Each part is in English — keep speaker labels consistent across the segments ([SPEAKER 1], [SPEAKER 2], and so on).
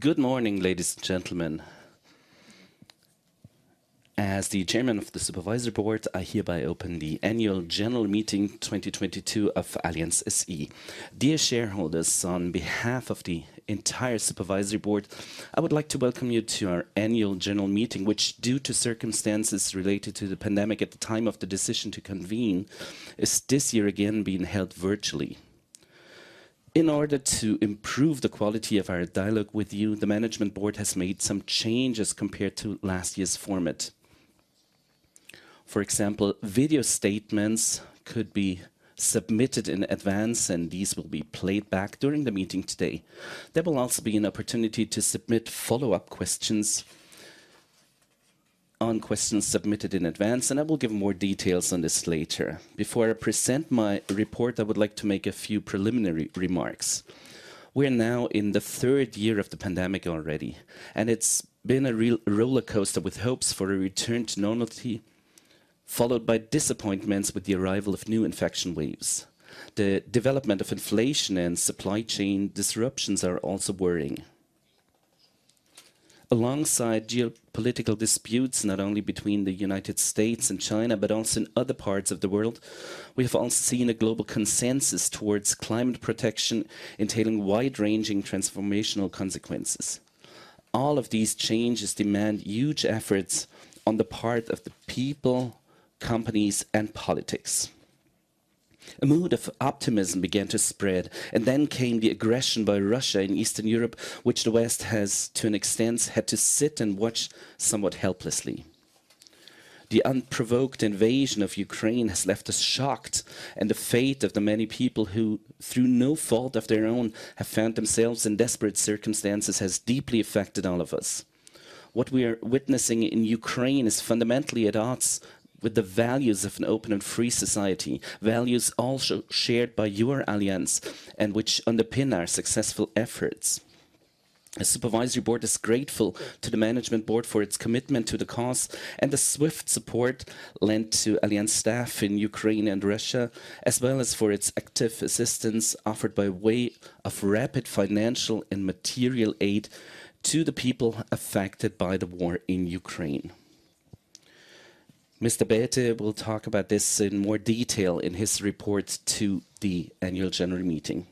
[SPEAKER 1] Good morning, ladies and gentlemen. As the Chairman of the Supervisory Board, I hereby open the Annual General Meeting 2022 of Allianz SE. Dear Shareholders, on behalf of the entire Supervisory Board, I would like to welcome you to our Annual General Meeting, which due to circumstances related to the pandemic at the time of the decision to convene, is this year again being held virtually. In order to improve the quality of our dialogue with you, the Management Board has made some changes compared to last year's format. For example, video statements could be submitted in advance, and these will be played back during the meeting today. There will also be an opportunity to submit follow-up questions on questions submitted in advance, and I will give more details on this later. Before I present my report, I would like to make a few preliminary remarks. We are now in the third year of the pandemic already, and it's been a real rollercoaster with hopes for a return to normalcy, followed by disappointments with the arrival of new infection waves. The development of inflation and supply chain disruptions are also worrying. Alongside geopolitical disputes, not only between the United States and China, but also in other parts of the world, we have also seen a global consensus towards climate protection, entailing wide-ranging transformational consequences. All of these changes demand huge efforts on the part of the people, companies, and politics. A mood of optimism began to spread, and then came the aggression by Russia in Eastern Europe, which the West has, to an extent, had to sit and watch somewhat helplessly. The unprovoked invasion of Ukraine has left us shocked, and the fate of the many people who, through no fault of their own, have found themselves in desperate circumstances has deeply affected all of us. What we are witnessing in Ukraine is fundamentally at odds with the values of an open and free society, values also shared by your Allianz and which underpin our successful efforts. The Supervisory Board is grateful to the Management Board for its commitment to the cause and the swift support lent to Allianz staff in Ukraine and Russia, as well as for its active assistance offered by way of rapid financial and material aid to the people affected by the war in Ukraine. Mr. Bäte will talk about this in more detail in his report to the Annual General Meeting.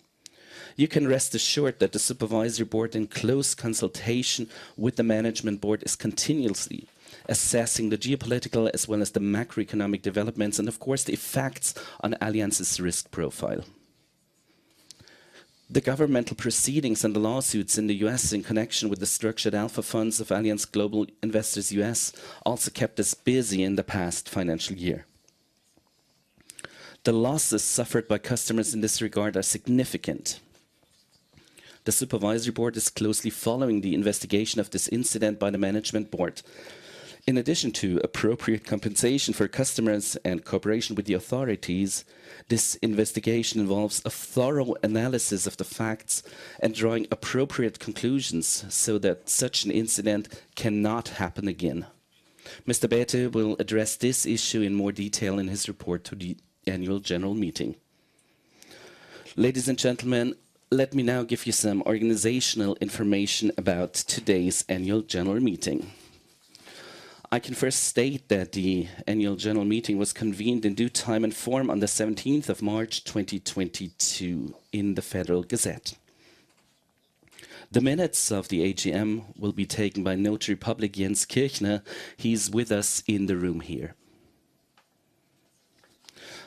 [SPEAKER 1] You can rest assured that the Supervisory Board, in close consultation with the Management Board, is continuously assessing the geopolitical as well as the macroeconomic developments and of course, the effects on Allianz's risk profile. The governmental proceedings and the lawsuits in the U.S. in connection with the Structured Alpha Funds of Allianz Global Investors U.S. also kept us busy in the past financial year. The losses suffered by customers in this regard are significant. The Supervisory Board is closely following the investigation of this incident by the Management Board. In addition to appropriate compensation for customers and cooperation with the authorities, this investigation involves a thorough analysis of the facts and drawing appropriate conclusions so that such an incident cannot happen again. Mr. Bäte will address this issue in more detail in his report to the Annual General Meeting. Ladies and gentlemen, let me now give you some organizational information about today's Annual General Meeting. I can first state that the Annual General Meeting was convened in due time and form on the March 17th, 2022 in the Federal Gazette. The minutes of the AGM will be taken by Notary Public Jens Kirchner. He's with us in the room here.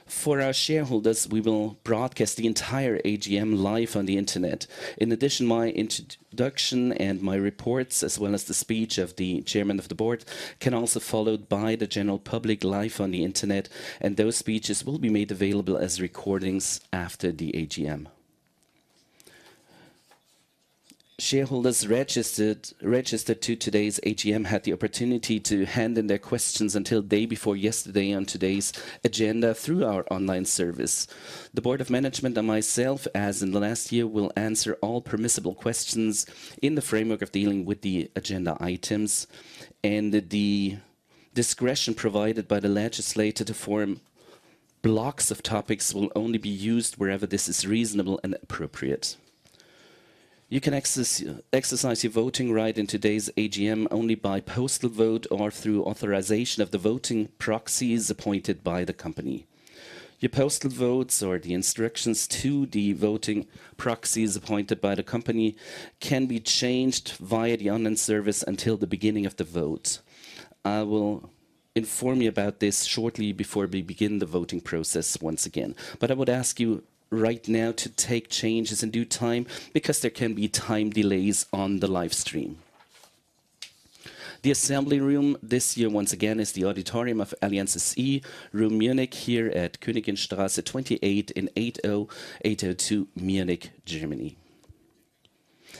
[SPEAKER 1] For our shareholders, we will broadcast the entire AGM live on the Internet. In addition, my introduction and my reports, as well as the speech of the Chairman of the Board, can also be followed by the general public live on the Internet, and those speeches will be made available as recordings after the AGM. Shareholders registered to today's AGM had the opportunity to hand in their questions until the day before yesterday on today's agenda through our online service. The board of management and myself, as in the last year, will answer all permissible questions in the framework of dealing with the agenda items, and the discretion provided by the legislator to form blocks of topics will only be used wherever this is reasonable and appropriate. You can exercise your voting right in today's AGM only by postal vote or through authorization of the voting proxies appointed by the company. Your postal votes or the instructions to the voting proxies appointed by the company can be changed via the online service until the beginning of the vote. I will inform you about this shortly before we begin the voting process once again. I would ask you right now to make changes in due time because there can be time delays on the livestream. The assembly room this year, once again, is the auditorium of Allianz SE in Munich, here at Königinstraße 28 in 80802 Munich, Germany.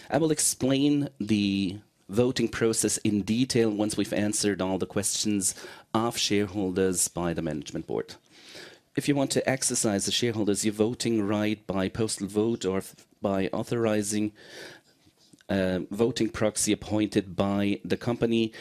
[SPEAKER 1] I will explain the voting process in detail once we've answered all the questions from shareholders by the Management Board. If you want to exercise your shareholder voting right by postal vote or by authorizing voting proxy appointed by the company.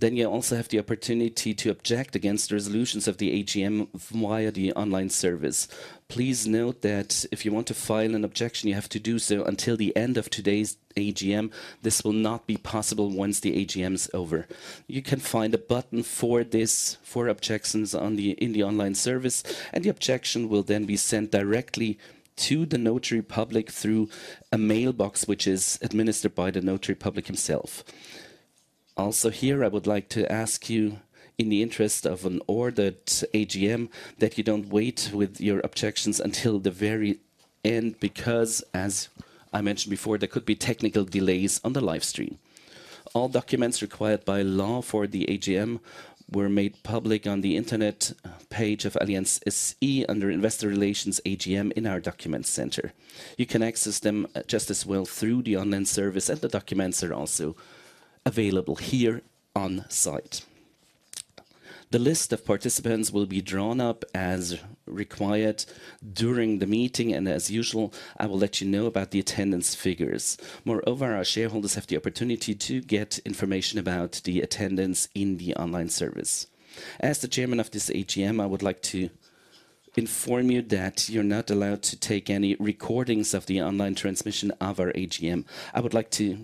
[SPEAKER 1] You also have the opportunity to object against the resolutions of the AGM via the online service. Please note that if you want to file an objection, you have to do so until the end of today's AGM. This will not be possible once the AGM is over. You can find a button for this, for objections in the online service, and the objection will then be sent directly to the Notary Public through a mailbox, which is administered by the Notary Public himself. Also, here, I would like to ask you, in the interest of an ordered AGM, that you don't wait with your objections until the very end, because, as I mentioned before, there could be technical delays on the livestream. All documents required by law for the AGM were made public on the Internet page of Allianz SE under Investor Relations AGM in our document center. You can access them just as well through the online service, and the documents are also available here on site. The list of participants will be drawn up as required during the meeting, and as usual, I will let you know about the attendance figures. Moreover, our shareholders have the opportunity to get information about the attendance in the online service. As the chairman of this AGM, I would like to inform you that you're not allowed to take any recordings of the online transmission of our AGM. I would like you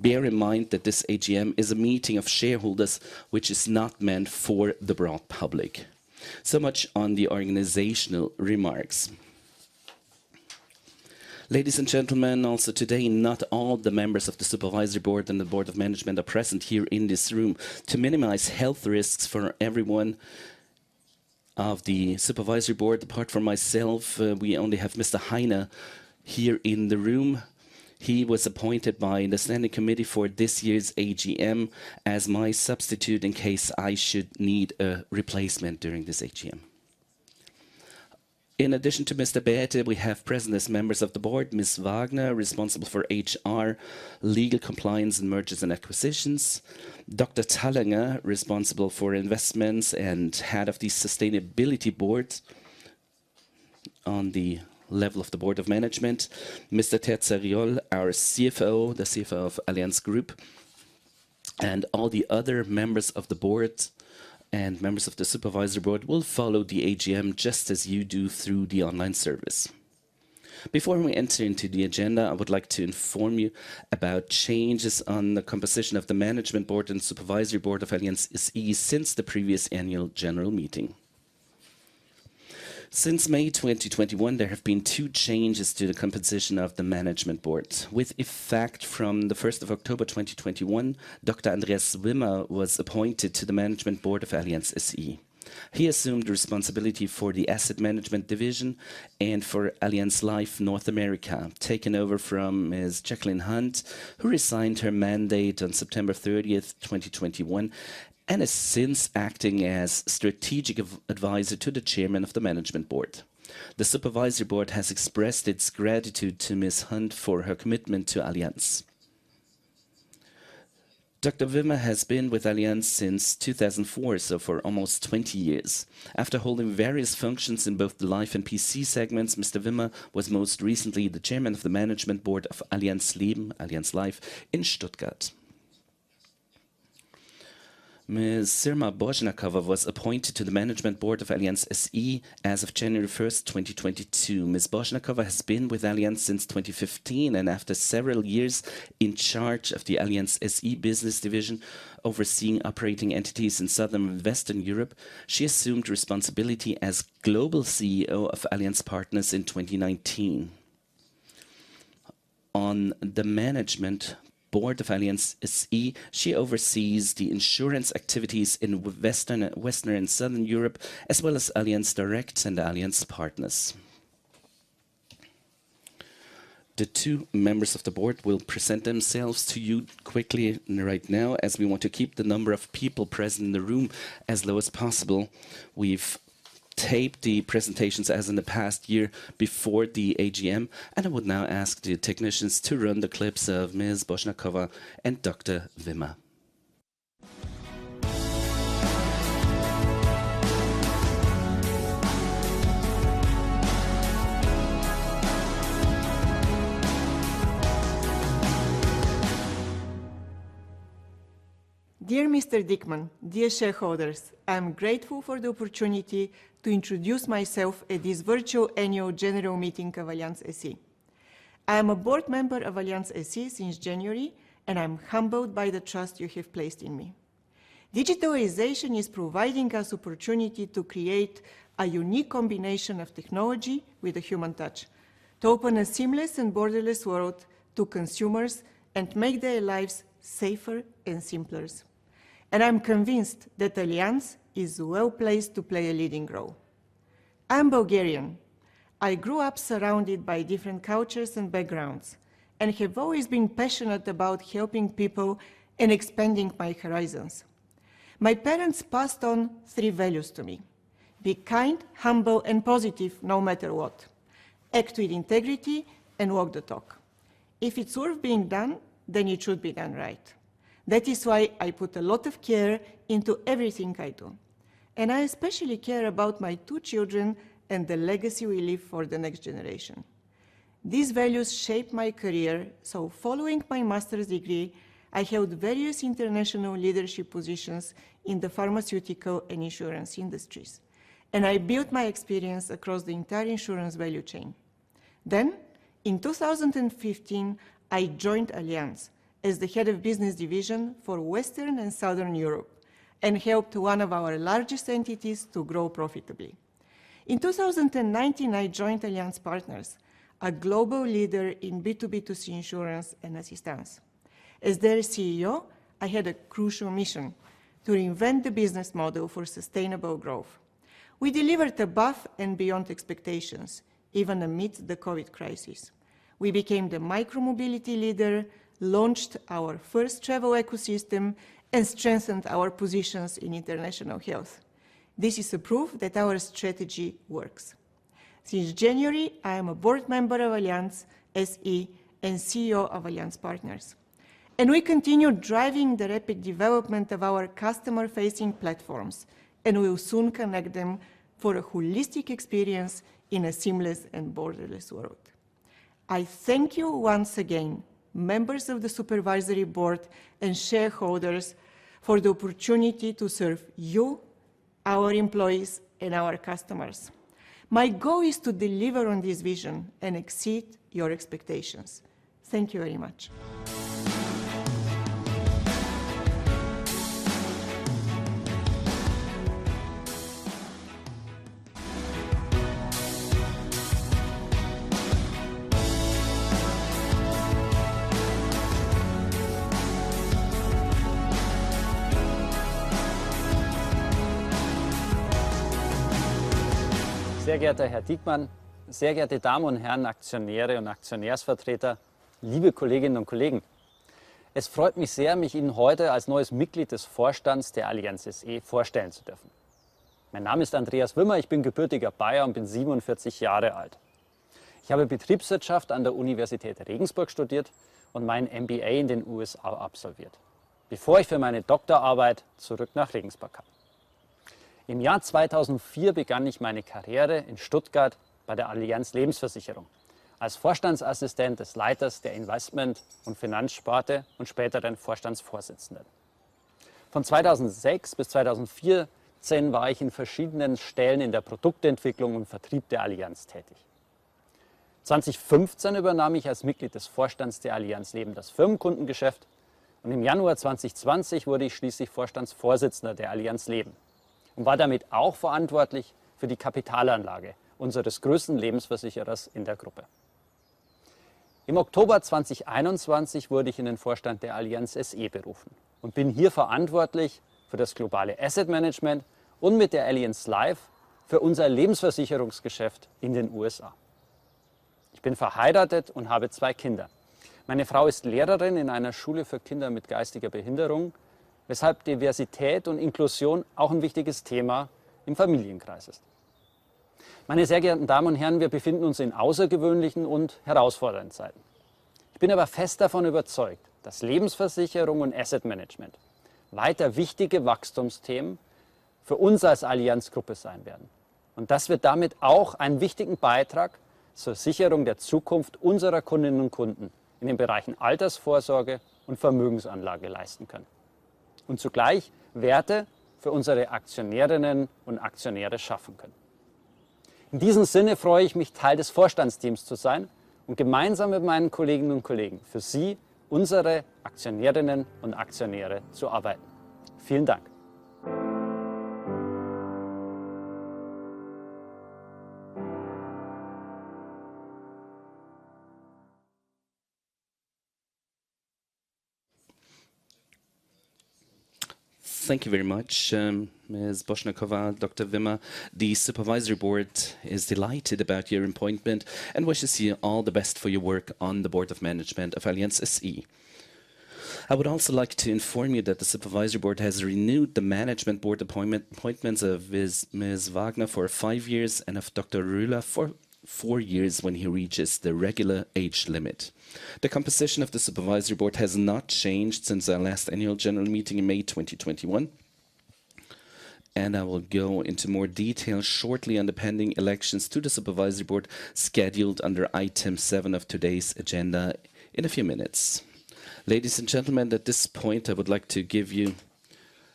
[SPEAKER 1] to bear in mind that this AGM is a meeting of shareholders, which is not meant for the broad public. So much for the organizational remarks. Ladies and gentlemen, also today, not all the members of the Supervisory Board and the Board of Management are present here in this room. To minimize health risks for everyone of the Supervisory Board, apart from myself, we only have Mr. Hainer here in the room. He was appointed by the Standing Committee for this year's AGM as my substitute in case I should need a replacement during this AGM. In addition to Mr. Bäte, we have present as members of the Board of Management, Ms. Wagner, responsible for HR, legal compliance, and mergers and acquisitions. Dr. Thallinger, responsible for investments and Head of the Sustainability Board on the level of the Board of Management. Mr. Terzariol, our CFO, the CFO of Allianz Group, and all the other members of the Board of Management and members of the Supervisory Board will follow the AGM just as you do through the online service. Before we enter into the agenda, I would like to inform you about changes in the composition of the Management Board and Supervisory Board of Allianz SE since the previous Annual General Meeting. Since May 2021, there have been two changes to the composition of the Management Board. With effect from the first of October 2021, Dr. Andreas Wimmer was appointed to the Management Board of Allianz SE. He assumed responsibility for the Asset Management division and for Allianz Life Insurance Company of North America, taking over from Ms. Jacqueline Hunt, who resigned her mandate on September 30th, 2021, and has since been acting as strategic advisor to the Chairman of the Management Board. The Supervisory Board has expressed its gratitude to Ms. Hunt for her commitment to Allianz. Dr. Wimmer has been with Allianz since 2004, so for almost 20 years. After holding various functions in both the life and P&C segments, Mr. Wimmer was most recently the Chairman of the Management Board of Allianz Lebensversicherungs-AG, Allianz Life in Stuttgart. Ms. Sirma Boshnakova was appointed to the Management Board of Allianz SE as of January 1, 2022. Ms. Boshnakova has been with Allianz since 2015, and after several years in charge of the Allianz SE business division, overseeing operating entities in Southern and Western Europe, she assumed responsibility as global CEO of Allianz Partners in 2019. On the Management Board of Allianz SE, she oversees the insurance activities in Western and Southern Europe, as well as Allianz Direct and Allianz Partners. The two members of the Board will present themselves to you quickly right now, as we want to keep the number of people present in the room as low as possible. We've taped the presentations as in the past year before the AGM, and I would now ask the technicians to run the clips of Ms. Boshnakova and Dr. Wimmer.
[SPEAKER 2] Dear Mr. Diekmann, Dear Shareholders, I am grateful for the opportunity to introduce myself at this virtual Annual General Meeting of Allianz SE. I am a Board Member of Allianz SE since January, and I'm humbled by the trust you have placed in me. Digitalization is providing us opportunity to create a unique combination of technology with a human touch, to open a seamless and borderless world to consumers and make their lives safer and simpler. I'm convinced that Allianz is well-placed to play a leading role. I am Bulgarian. I grew up surrounded by different cultures and backgrounds, and have always been passionate about helping people and expanding my horizons. My parents passed on three values to me: Be kind, humble, and positive no matter what. Act with integrity and walk the talk. If it's worth being done, then it should be done right. That is why I put a lot of care into everything I do. I especially care about my two children and the legacy we leave for the next generation. These values shaped my career, so following my master's degree, I held various international leadership positions in the pharmaceutical and insurance industries. I built my experience across the entire insurance value chain. In 2015, I joined Allianz as the head of business division for Western and Southern Europe and helped one of our largest entities to grow profitably. In 2019, I joined Allianz Partners, a global leader in B2B2C insurance and assistance. As their CEO, I had a crucial mission to reinvent the business model for sustainable growth. We delivered above and beyond expectations even amid the COVID crisis. We became the micro-mobility leader, launched our first travel ecosystem, and strengthened our positions in international health. This is a proof that our strategy works. Since January, I am a Board Member of Allianz SE and CEO of Allianz Partners, and we continue driving the rapid development of our customer-facing platforms, and we will soon connect them for a holistic experience in a seamless and borderless world. I thank you once again, members of the Supervisory Board and shareholders, for the opportunity to serve you, our employees, and our customers. My goal is to deliver on this vision and exceed your expectations. Thank you very much.
[SPEAKER 3] Sehr geehrter Herr Diekmann, sehr geehrte Damen und Herren, Aktionäre und Aktionärsvertreter, liebe Kolleginnen und Kollegen. Es freut mich sehr, mich Ihnen heute als neues Mitglied des Vorstands der Allianz SE vorstellen zu dürfen. Mein Name ist Andreas Wimmer. Ich bin gebürtiger Bayer und bin 47 Jahre alt. Ich habe Betriebswirtschaft an der Universität Regensburg studiert und meinen MBA in den USA absolviert, bevor ich für meine Doktorarbeit zurück nach Regensburg kam. Im Jahr 2004 begann ich meine Karriere in Stuttgart bei der Allianz Lebensversicherung als Vorstandsassistent des Leiters der Investment und Finanzsparte und später dann Vorstandsvorsitzenden. Von 2006 bis 2014 war ich in verschiedenen Stellen in der Produktentwicklung und Vertrieb der Allianz tätig. 2015 übernahm ich als Mitglied des Vorstands der Allianz Lebensversicherungs-AG das Firmenkundengeschäft und im Januar 2020 wurde ich schließlich Vorstandsvorsitzender der Allianz Lebensversicherungs-AG und war damit auch verantwortlich für die Kapitalanlage unseres größten Lebensversicherers in der Gruppe. Im Oktober 2021 wurde ich in den Vorstand der Allianz SE berufen und bin hier verantwortlich für das globale Asset Management und mit der Allianz Life für unser Lebensversicherungsgeschäft in den USA. Ich bin verheiratet und habe zwei Kinder. Meine Frau ist Lehrerin in einer Schule für Kinder mit geistiger Behinderung, weshalb Diversität und Inklusion auch ein wichtiges Thema im Familienkreis ist. Meine sehr geehrten Damen und Herren, wir befinden uns in außergewöhnlichen und herausfordernden Zeiten. Ich bin aber fest davon überzeugt, dass Lebensversicherung und Asset Management weiter wichtige Wachstumsthemen für uns als Allianz Group sein werden und dass wir damit auch einen wichtigen Beitrag zur Sicherung der Zukunft unserer Kundinnen und Kunden in den Bereichen Altersvorsorge und Vermögensanlage leisten können und zugleich Werte für unsere Aktionärinnen und Aktionäre schaffen können. In diesem Sinne freue ich mich, Teil des Vorstandsteams zu sein und gemeinsam mit meinen Kolleginnen und Kollegen für Sie, unsere Aktionärinnen und Aktionäre, zu arbeiten. Vielen Dank.
[SPEAKER 1] Thank you very much, Ms. Boshnakova, Dr. Wimmer. The Supervisory Board is delighted about your appointment and wishes you all the best for your work on the Board of Management of Allianz SE. I would also like to inform you that the Supervisory Board has renewed the Management Board appointments of Ms. Wagner for five years and of Dr. Röhler for four years when he reaches the regular age limit. The composition of the Supervisory Board has not changed since our last Annual General Meeting in May 2021, and I will go into more detail shortly on the pending elections to the Supervisory Board scheduled under item seven of today's agenda in a few minutes. Ladies and gentlemen, at this point, I would like to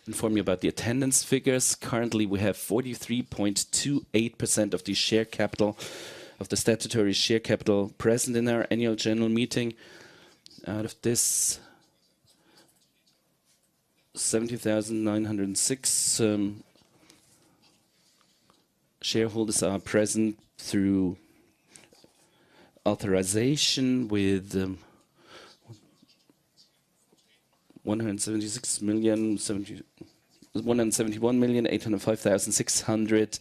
[SPEAKER 1] inform you about the attendance figures. Currently, we have 43.28% of the share capital, of the statutory share capital present in our Annual General Meeting. Out of this, 70,906 shareholders are present through authorization with 171,805,600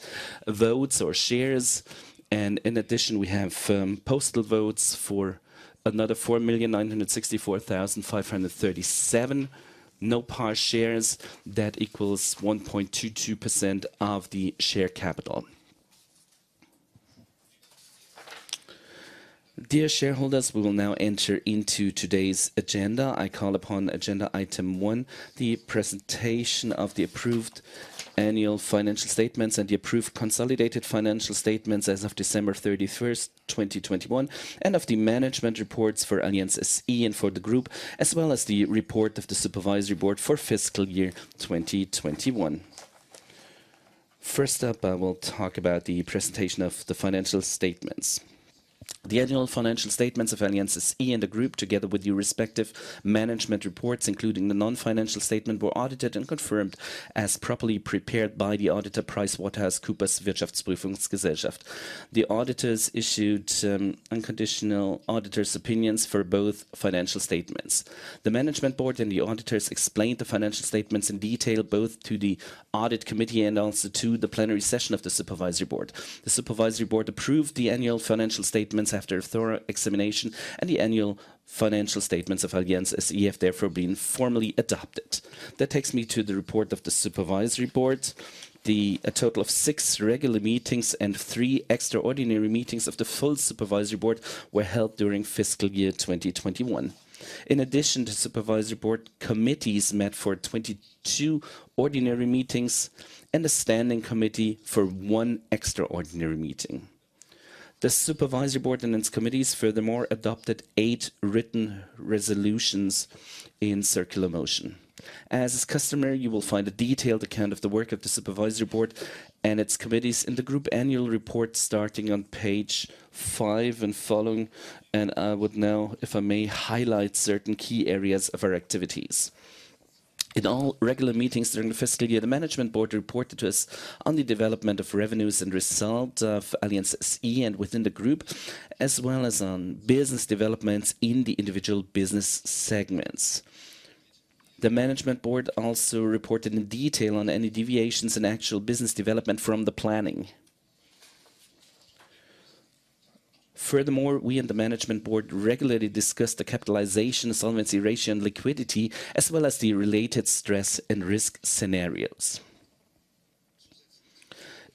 [SPEAKER 1] votes or shares. In addition, we have postal votes for another 4,964,537 no-par shares. That equals 1.22% of the share capital. Dear Shareholders, we will now enter into today's agenda. I call upon agenda item one, the presentation of the approved annual financial statements and the approved consolidated financial statements as of December 31, 2021, and of the management reports for Allianz SE and for the group, as well as the report of the Supervisory Board for fiscal year 2021. First up, I will talk about the presentation of the financial statements. The annual financial statements of Allianz SE and the group, together with the respective management reports, including the non-financial statement, were audited and confirmed as properly prepared by the auditor PricewaterhouseCoopers. The auditors issued unconditional auditor's opinions for both financial statements. The Management Board and the auditors explained the financial statements in detail, both to the Audit Committee and also to the plenary session of the Supervisory Board. The Supervisory Board approved the annual financial statements after a thorough examination, and the annual financial statements of Allianz SE have therefore been formally adopted. That takes me to the report of the Supervisory Board. A total of six regular meetings and three extraordinary meetings of the full Supervisory Board were held during fiscal year 2021. In addition, the Supervisory Board committees met for 22 ordinary meetings and the Standing Committee for one extraordinary meeting. The Supervisory Board and its committees furthermore adopted eight written resolutions in circular motion. As is customary, you will find a detailed account of the work of the Supervisory Board and its committees in the group annual report starting on page five and following. I would now, if I may, highlight certain key areas of our activities. In all regular meetings during the fiscal year, the Management Board reported to us on the development of revenues and result of Allianz SE and within the group, as well as on business developments in the individual business segments. The Management Board also reported in detail on any deviations in actual business development from the planning. Furthermore, we and the Management Board regularly discussed the capitalization, solvency ratio, and liquidity, as well as the related stress and risk scenarios.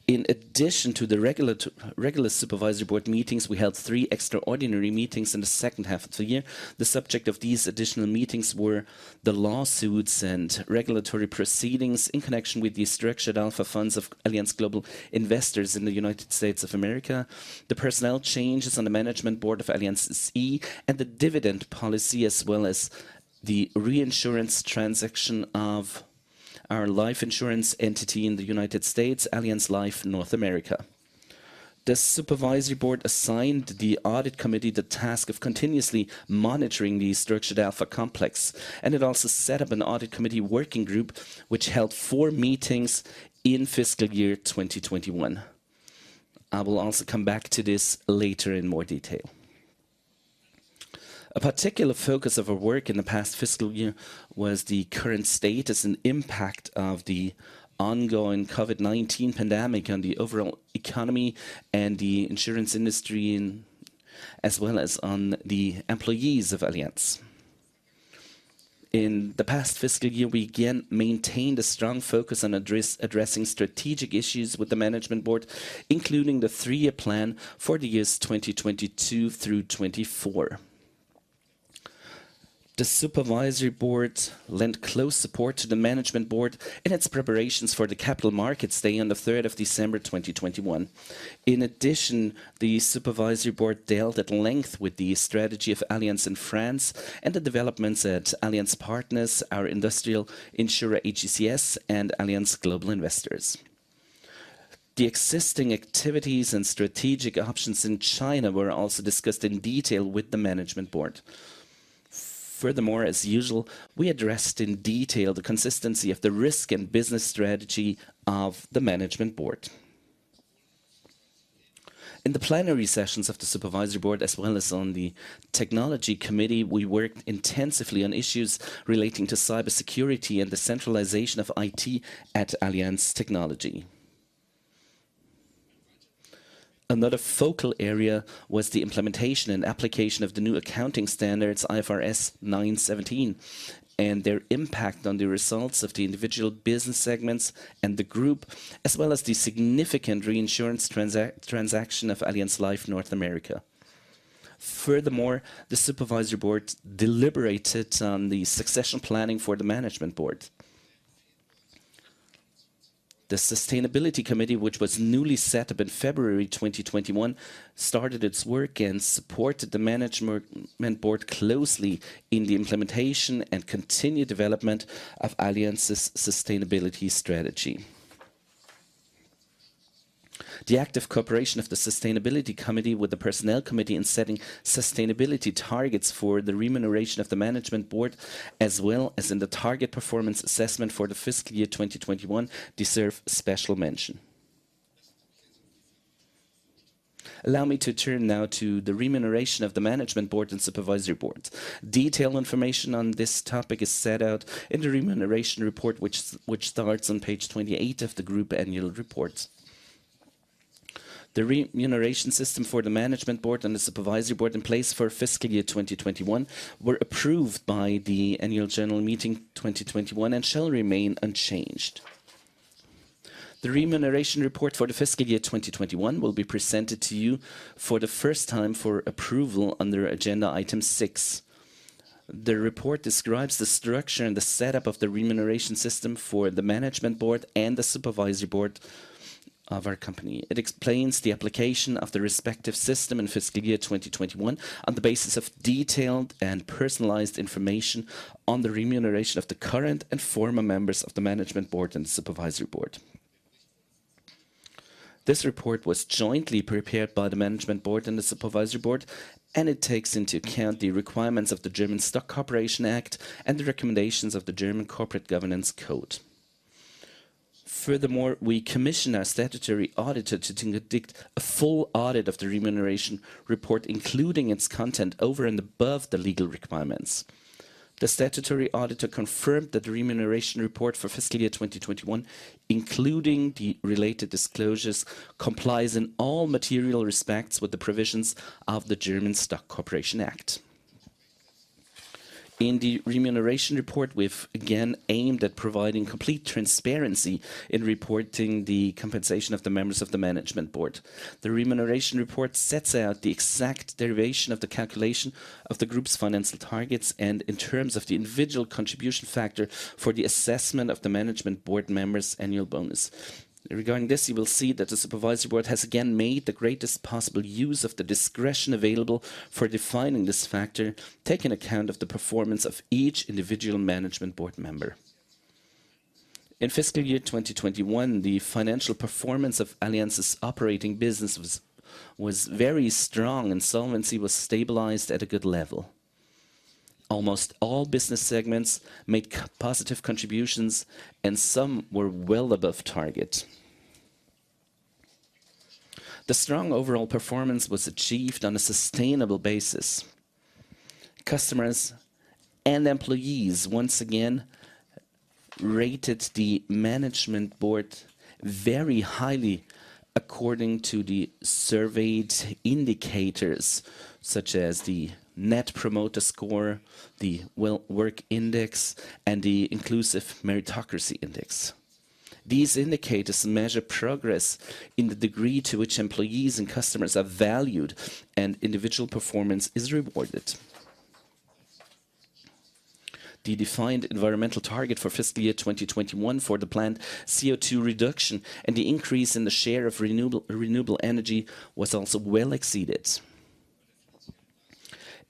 [SPEAKER 1] In addition to the regular Supervisory Board meetings, we held three extraordinary meetings in the second half of the year. The subject of these additional meetings were the lawsuits and regulatory proceedings in connection with the Structured Alpha Funds of Allianz Global Investors in the United States of America, the personnel changes on the Board of Management of Allianz SE, and the dividend policy, as well as the reinsurance transaction of our life insurance entity in the United States, Allianz Life North America. The Supervisory Board assigned the Audit Committee the task of continuously monitoring the Structured Alpha complex, and it also set up an Audit Committee working group, which held four meetings in fiscal year 2021. I will also come back to this later in more detail. A particular focus of our work in the past fiscal year was the current status and impact of the ongoing COVID-19 pandemic on the overall economy and the insurance industry, as well as on the employees of Allianz. In the past fiscal year, we again maintained a strong focus on addressing strategic issues with the Management Board, including the three-year plan for the years 2022 through 2024. The Supervisory Board lent close support to the Management Board in its preparations for the capital markets day on December 3rd, 2021. In addition, the Supervisory Board dealt at length with the strategy of Allianz in France and the developments at Allianz Partners, our industrial insurer AGCS, and Allianz Global Investors. The existing activities and strategic options in China were also discussed in detail with the Management Board. Furthermore, as usual, we addressed in detail the consistency of the risk and business strategy of the Management Board. In the plenary sessions of the Supervisory Board, as well as on the Technology Committee, we worked intensively on issues relating to cybersecurity and the centralization of IT at Allianz Technology. Another focal area was the implementation and application of the new accounting standards IFRS 9 and IFRS 17 and their impact on the results of the individual business segments and the group, as well as the significant reinsurance transaction of Allianz Life North America. The Supervisory Board deliberated on the succession planning for the Management Board. The Sustainability Committee, which was newly set up in February 2021, started its work and supported the Management Board closely in the implementation and continued development of Allianz's sustainability strategy. The active cooperation of the Sustainability Committee with the Personnel Committee in setting sustainability targets for the remuneration of the Management Board, as well as in the target performance assessment for the fiscal year 2021, deserve special mention. Allow me to turn now to the remuneration of the Management Board and Supervisory Board. Detailed information on this topic is set out in the remuneration report, which starts on page 28 of the group annual report. The remuneration system for the Management Board and the Supervisory Board in place for fiscal year 2021 were approved by the Annual General Meeting 2021 and shall remain unchanged. The remuneration report for the fiscal year 2021 will be presented to you for the first time for approval under agenda item six. The report describes the structure and the setup of the remuneration system for the Management Board and the Supervisory Board of our company. It explains the application of the respective system in fiscal year 2021 on the basis of detailed and personalized information on the remuneration of the current and former members of the Management Board and Supervisory Board. This report was jointly prepared by the Management Board and the Supervisory Board, and it takes into account the requirements of the German Stock Corporation Act and the recommendations of the German Corporate Governance Code. Furthermore, we commissioned our statutory auditor to conduct a full audit of the remuneration report, including its content over and above the legal requirements. The statutory auditor confirmed that the remuneration report for fiscal year 2021, including the related disclosures, complies in all material respects with the provisions of the German Stock Corporation Act. In the remuneration report, we've again aimed at providing complete transparency in reporting the compensation of the members of the Management Board. The remuneration report sets out the exact derivation of the calculation of the group's financial targets and in terms of the individual contribution factor for the assessment of the Management Board members' annual bonus. Regarding this, you will see that the Supervisory Board has again made the greatest possible use of the discretion available for defining this factor, taking account of the performance of each individual Management Board member. In fiscal year 2021, the financial performance of Allianz's operating business was very strong and solvency was stabilized at a good level. Almost all business segments made positive contributions and some were well above target. The strong overall performance was achieved on a sustainable basis. Customers and employees once again rated the Management Board very highly according to the surveyed indicators such as the Net Promoter Score, the Work Well Index, and the Inclusive Meritocracy Index. These indicators measure progress in the degree to which employees and customers are valued and individual performance is rewarded. The defined environmental target for fiscal year 2021 for the planned CO2 reduction and the increase in the share of renewable energy was also well exceeded.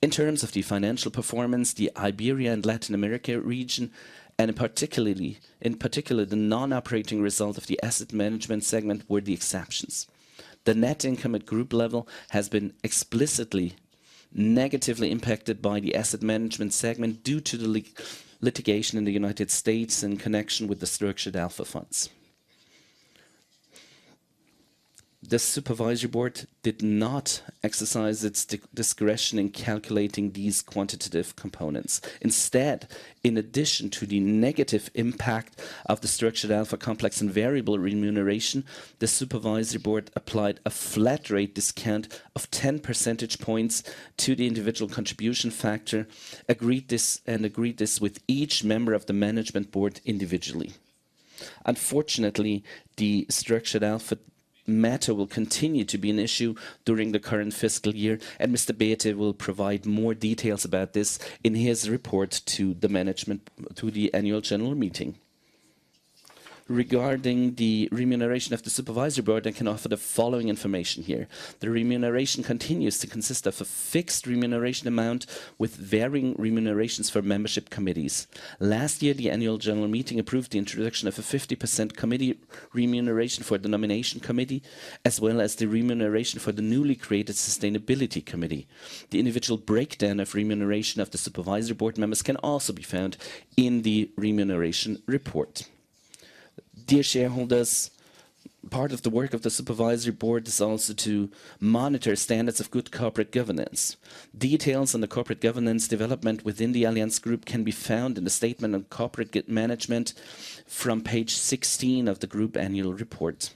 [SPEAKER 1] In terms of the financial performance, the Iberia and Latin America region, and particularly the non-operating result of the Asset Management segment were the exceptions. The net income at group level has been explicitly negatively impacted by the Asset Management segment due to the litigation in the United States in connection with the Structured Alpha Funds. The Supervisory Board did not exercise its discretion in calculating these quantitative components. Instead, in addition to the negative impact of the Structured Alpha collapse and variable remuneration, the Supervisory Board applied a flat rate discount of 10 percentage points to the individual contribution factor, agreed this with each member of the Management Board individually. Unfortunately, the Structured Alpha matter will continue to be an issue during the current fiscal year, and Mr. Bäte will provide more details about this in his report to the management through the Annual General Meeting. Regarding the remuneration of the Supervisory Board, I can offer the following information here. The remuneration continues to consist of a fixed remuneration amount with varying remunerations for Membership Committees. Last year, the Annual General Meeting approved the introduction of a 50% committee remuneration for the Nomination Committee, as well as the remuneration for the newly created Sustainability Committee. The individual breakdown of remuneration of the Supervisory Board members can also be found in the remuneration report. Dear Shareholders, part of the work of the Supervisory Board is also to monitor standards of good corporate governance. Details on the corporate governance development within the Allianz Group can be found in the Statement of Corporate Governance from page 16 of the Group Annual Report.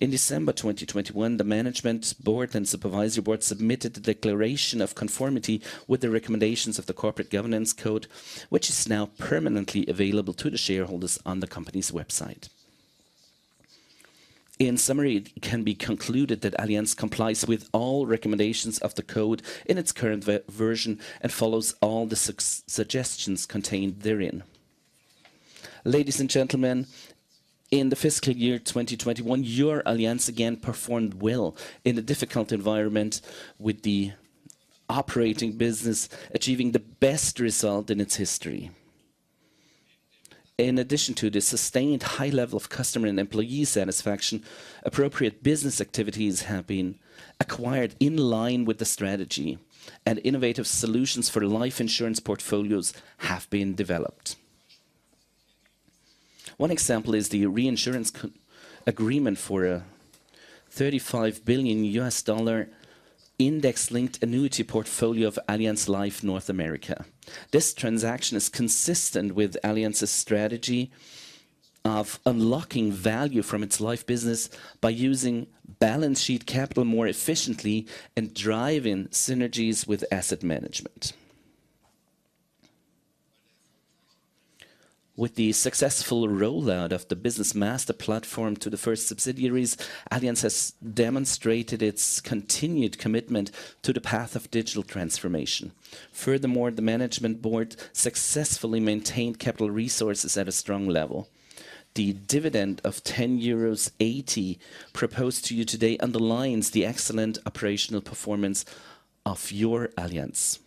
[SPEAKER 1] In December 2021, the Management Board and Supervisory Board submitted the declaration of conformity with the recommendations of the Corporate Governance Code, which is now permanently available to the shareholders on the company's website. In summary, it can be concluded that Allianz complies with all recommendations of the code in its current version and follows all the suggestions contained therein. Ladies and gentlemen, in the fiscal year 2021, your Allianz again performed well in a difficult environment with the operating business achieving the best result in its history. In addition to the sustained high level of customer and employee satisfaction, appropriate business activities have been acquired in line with the strategy and innovative solutions for life insurance portfolios have been developed. One example is the reinsurance co-agreement for a $35 billion index-linked annuity portfolio of Allianz Life North America. This transaction is consistent with Allianz's strategy of unlocking value from its life business by using balance sheet capital more efficiently and driving synergies with Asset Management. With the successful rollout of the Business Master Platform to the first subsidiaries, Allianz has demonstrated its continued commitment to the path of digital transformation. Furthermore, the Management Board successfully maintained capital resources at a strong level. The dividend of 10.80 euros proposed to you today underlines the excellent operational performance of your Allianz.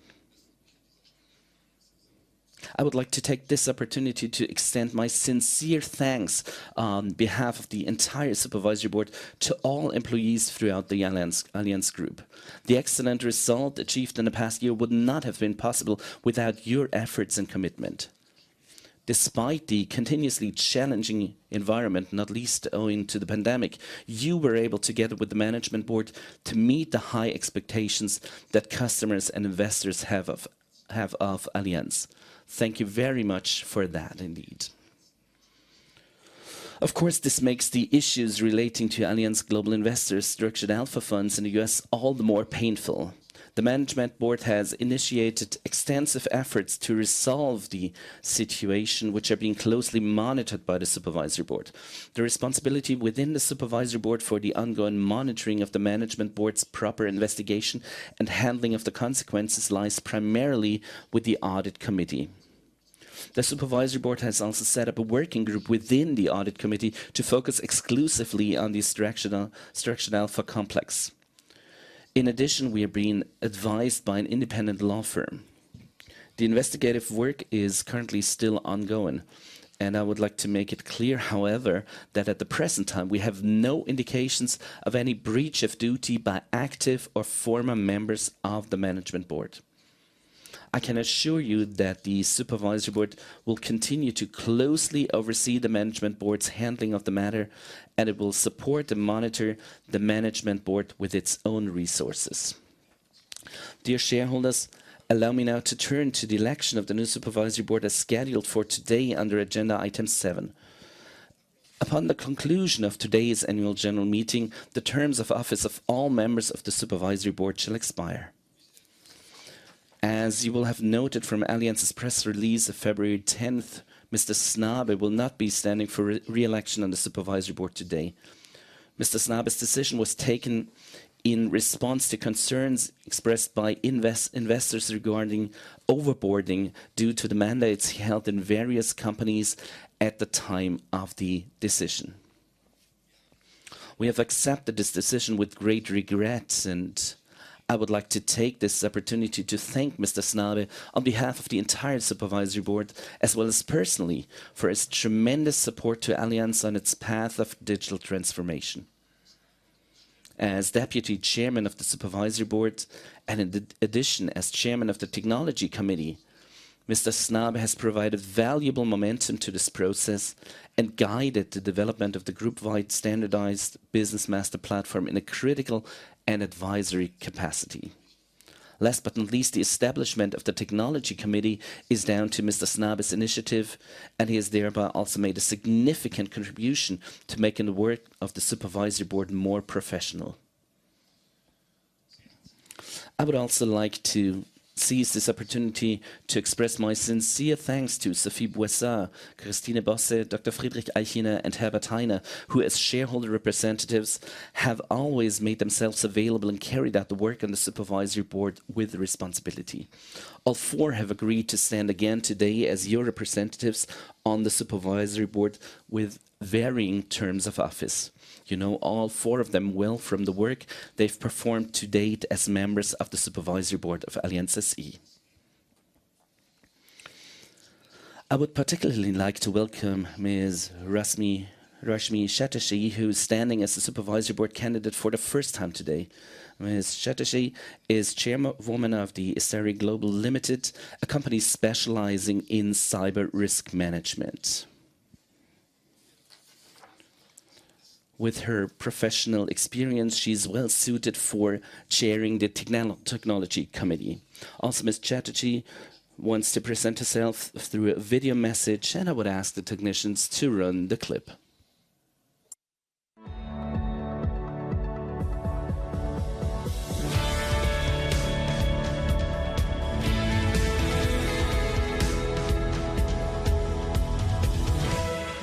[SPEAKER 1] I would like to take this opportunity to extend my sincere thanks on behalf of the entire Supervisory Board to all employees throughout the Allianz Group. The excellent result achieved in the past year would not have been possible without your efforts and commitment. Despite the continuously challenging environment, not least owing to the pandemic, you were able, together with the Management Board, to meet the high expectations that customers and investors have of Allianz. Thank you very much for that indeed. Of course, this makes the issues relating to Allianz Global Investors Structured Alpha Funds in the U.S. all the more painful. The Management Board has initiated extensive efforts to resolve the situation which are being closely monitored by the Supervisory Board. The responsibility within the Supervisory Board for the ongoing monitoring of the Management Board's proper investigation and handling of the consequences lies primarily with the Audit Committee. The Supervisory Board has also set up a working group within the Audit Committee to focus exclusively on the Structured Alpha complex. In addition, we are being advised by an independent law firm. The investigative work is currently still ongoing, and I would like to make it clear, however, that at the present time we have no indications of any breach of duty by active or former members of the Management Board. I can assure you that the Supervisory Board will continue to closely oversee the Management Board's handling of the matter, and it will support and monitor the Management Board with its own resources. Dear Shareholders, allow me now to turn to the election of the new Supervisory Board as scheduled for today under agenda item seven. Upon the conclusion of today's Annual General Meeting, the terms of office of all members of the Supervisory Board shall expire. As you will have noted from Allianz's press release of February 10th, Mr. Snabe will not be standing for reelection on the Supervisory Board today. Mr. Snabe's decision was taken in response to concerns expressed by investors regarding overboarding due to the mandates he held in various companies at the time of the decision. We have accepted this decision with great regret, and I would like to take this opportunity to thank Mr. Snabe on behalf of the entire Supervisory Board, as well as personally, for his tremendous support to Allianz on its path of digital transformation. As Deputy Chairman of the Supervisory Board and in addition, as Chairman of the Technology Committee, Mr. Snabe has provided valuable momentum to this process and guided the development of the group-wide standardized Business Master Platform in a critical and advisory capacity. Last but not least, the establishment of the Technology Committee is down to Mr. Snabe's initiative, and he has thereby also made a significant contribution to making the work of the Supervisory Board more professional. I would also like to seize this opportunity to express my sincere thanks to Sophie Boissard, Christine Bosse, Dr. Friedrich Eichiner, and Herbert Hainer, who, as shareholder representatives, have always made themselves available and carried out the work on the Supervisory Board with responsibility. All four have agreed to stand again today as your representatives on the Supervisory Board with varying terms of office. You know all four of them well from the work they've performed to date as members of the Supervisory Board of Allianz SE. I would particularly like to welcome Ms. Rashmy Chatterjee, who's standing as a Supervisory Board candidate for the first time today. Ms. Chatterjee is Chairwoman of the ISTARI Global Limited, a company specializing in cyber risk management. With her professional experience, she's well-suited for chairing the Technology Committee. Also, Ms. Chatterjee wants to present herself through a video message, and I would ask the technicians to run the clip.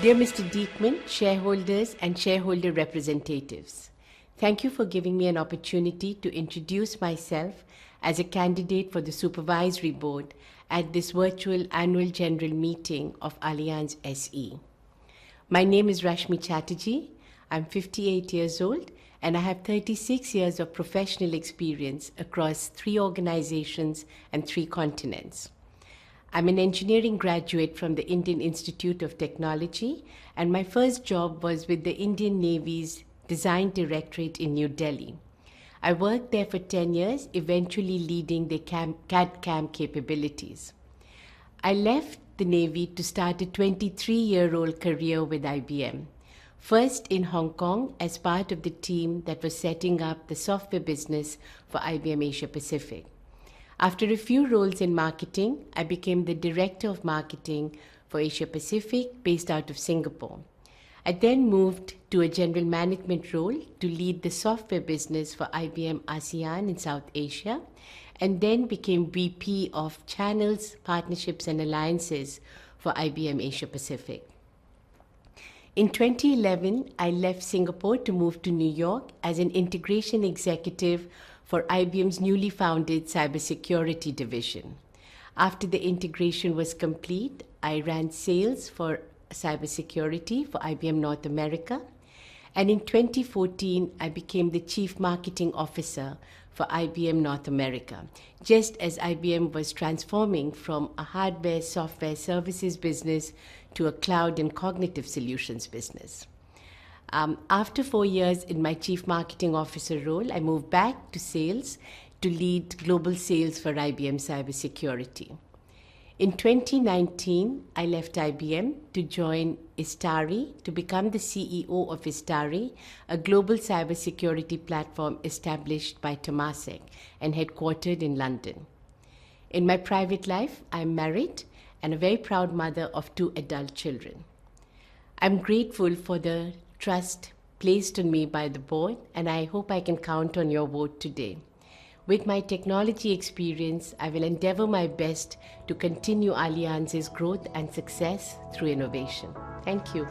[SPEAKER 4] Dear Mr. Diekmann, shareholders, and shareholder representatives, thank you for giving me an opportunity to introduce myself as a candidate for the Supervisory Board at this virtual Annual General Meeting of Allianz SE. My name is Rashmy Chatterjee. I'm 58 years old, and I have 36 years of professional experience across three organizations and three continents. I'm an engineering graduate from the Indian Institute of Technology, and my first job was with the Indian Navy's Design Directorate in New Delhi. I worked there for 10 years, eventually leading the CAD/CAM capabilities. I left the Navy to start a 23-year-old career with IBM, first in Hong Kong as part of the team that was setting up the software business for IBM Asia Pacific. After a few roles in marketing, I became the Director of Marketing for Asia Pacific based out of Singapore. I then moved to a general management role to lead the software business for IBM ASEAN in South Asia, and then became VP of Channels, Partnerships, and Alliances for IBM Asia Pacific. In 2011, I left Singapore to move to New York as an integration executive for IBM's newly founded cybersecurity division. After the integration was complete, I ran sales for cybersecurity for IBM North America. In 2014, I became the chief marketing officer for IBM North America, just as IBM was transforming from a hardware, software, services business to a cloud and cognitive solutions business. After four years in my chief marketing officer role, I moved back to sales to lead global sales for IBM cybersecurity. In 2019, I left IBM to join ISTARI to become the CEO of ISTARI, a global cybersecurity platform established by Temasek and headquartered in London. In my private life, I'm married and a very proud mother of two adult children. I'm grateful for the trust placed in me by the board, and I hope I can count on your vote today. With my technology experience, I will endeavor my best to continue Allianz's growth and success through innovation. Thank you.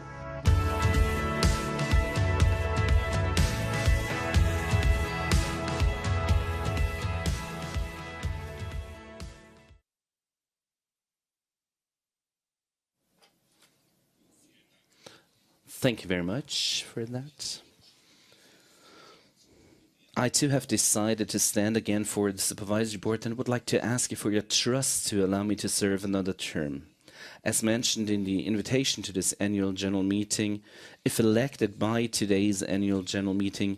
[SPEAKER 1] Thank you very much for that. I too have decided to stand again for the Supervisory Board and would like to ask you for your trust to allow me to serve another term. As mentioned in the invitation to this Annual General Meeting, if elected by today's Annual General Meeting,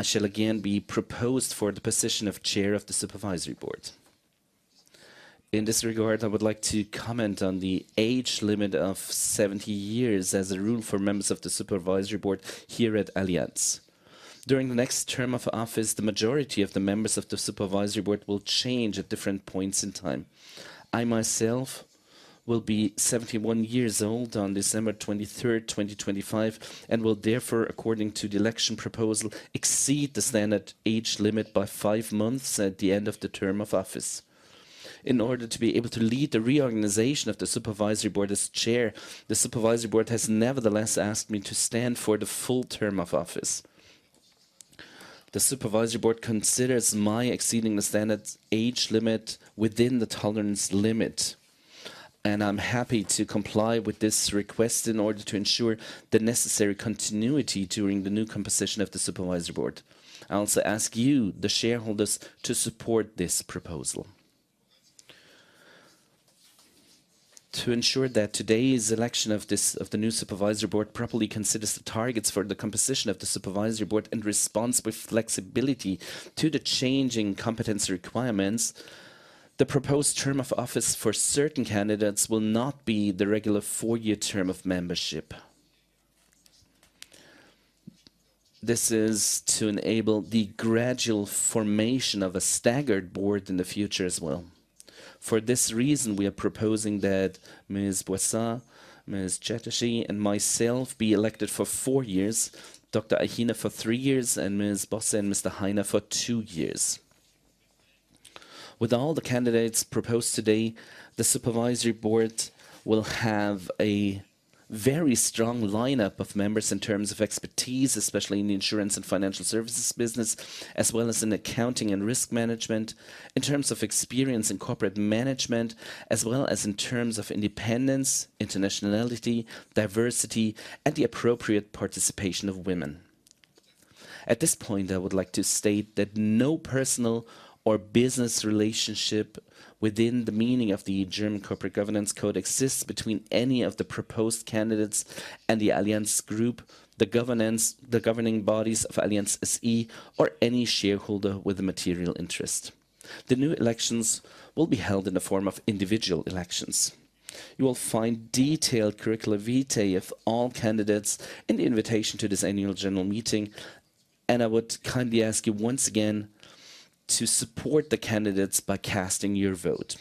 [SPEAKER 1] I shall again be proposed for the position of chair of the Supervisory Board. In this regard, I would like to comment on the age limit of 70 years as a rule for members of the Supervisory Board here at Allianz. During the next term of office, the majority of the members of the Supervisory Board will change at different points in time. I myself will be 71 years old on December 23rd, 2025, and will therefore, according to the election proposal, exceed the standard age limit by five months at the end of the term of office. In order to be able to lead the reorganization of the Supervisory Board as Chair, the Supervisory Board has nevertheless asked me to stand for the full term of office. The Supervisory Board considers my exceeding the standard age limit within the tolerance limit, and I'm happy to comply with this request in order to ensure the necessary continuity during the new composition of the Supervisory Board. I also ask you, the shareholders, to support this proposal. To ensure that today's election of the new Supervisory Board properly considers the targets for the composition of the Supervisory Board and responds with flexibility to the changing competence requirements, the proposed term of office for certain candidates will not be the regular four-year term of membership. This is to enable the gradual formation of a staggered board in the future as well. For this reason, we are proposing that Ms. Boissard, Ms. Chatterjee, and myself be elected for four years, Dr. Eichiner for three years, and Ms. Bosse and Mr. Hainer for two years. With all the candidates proposed today, the Supervisory Board will have a very strong lineup of members in terms of expertise, especially in the insurance and financial services business, as well as in accounting and risk management, in terms of experience in corporate management, as well as in terms of independence, internationality, diversity, and the appropriate participation of women. At this point, I would like to state that no personal or business relationship within the meaning of the German Corporate Governance Code exists between any of the proposed candidates and the Allianz Group, the governance, the governing bodies of Allianz SE, or any shareholder with a material interest. The new elections will be held in the form of individual elections. You will find detailed curricula vitae of all candidates in the invitation to this Annual General Meeting, and I would kindly ask you once again to support the candidates by casting your vote.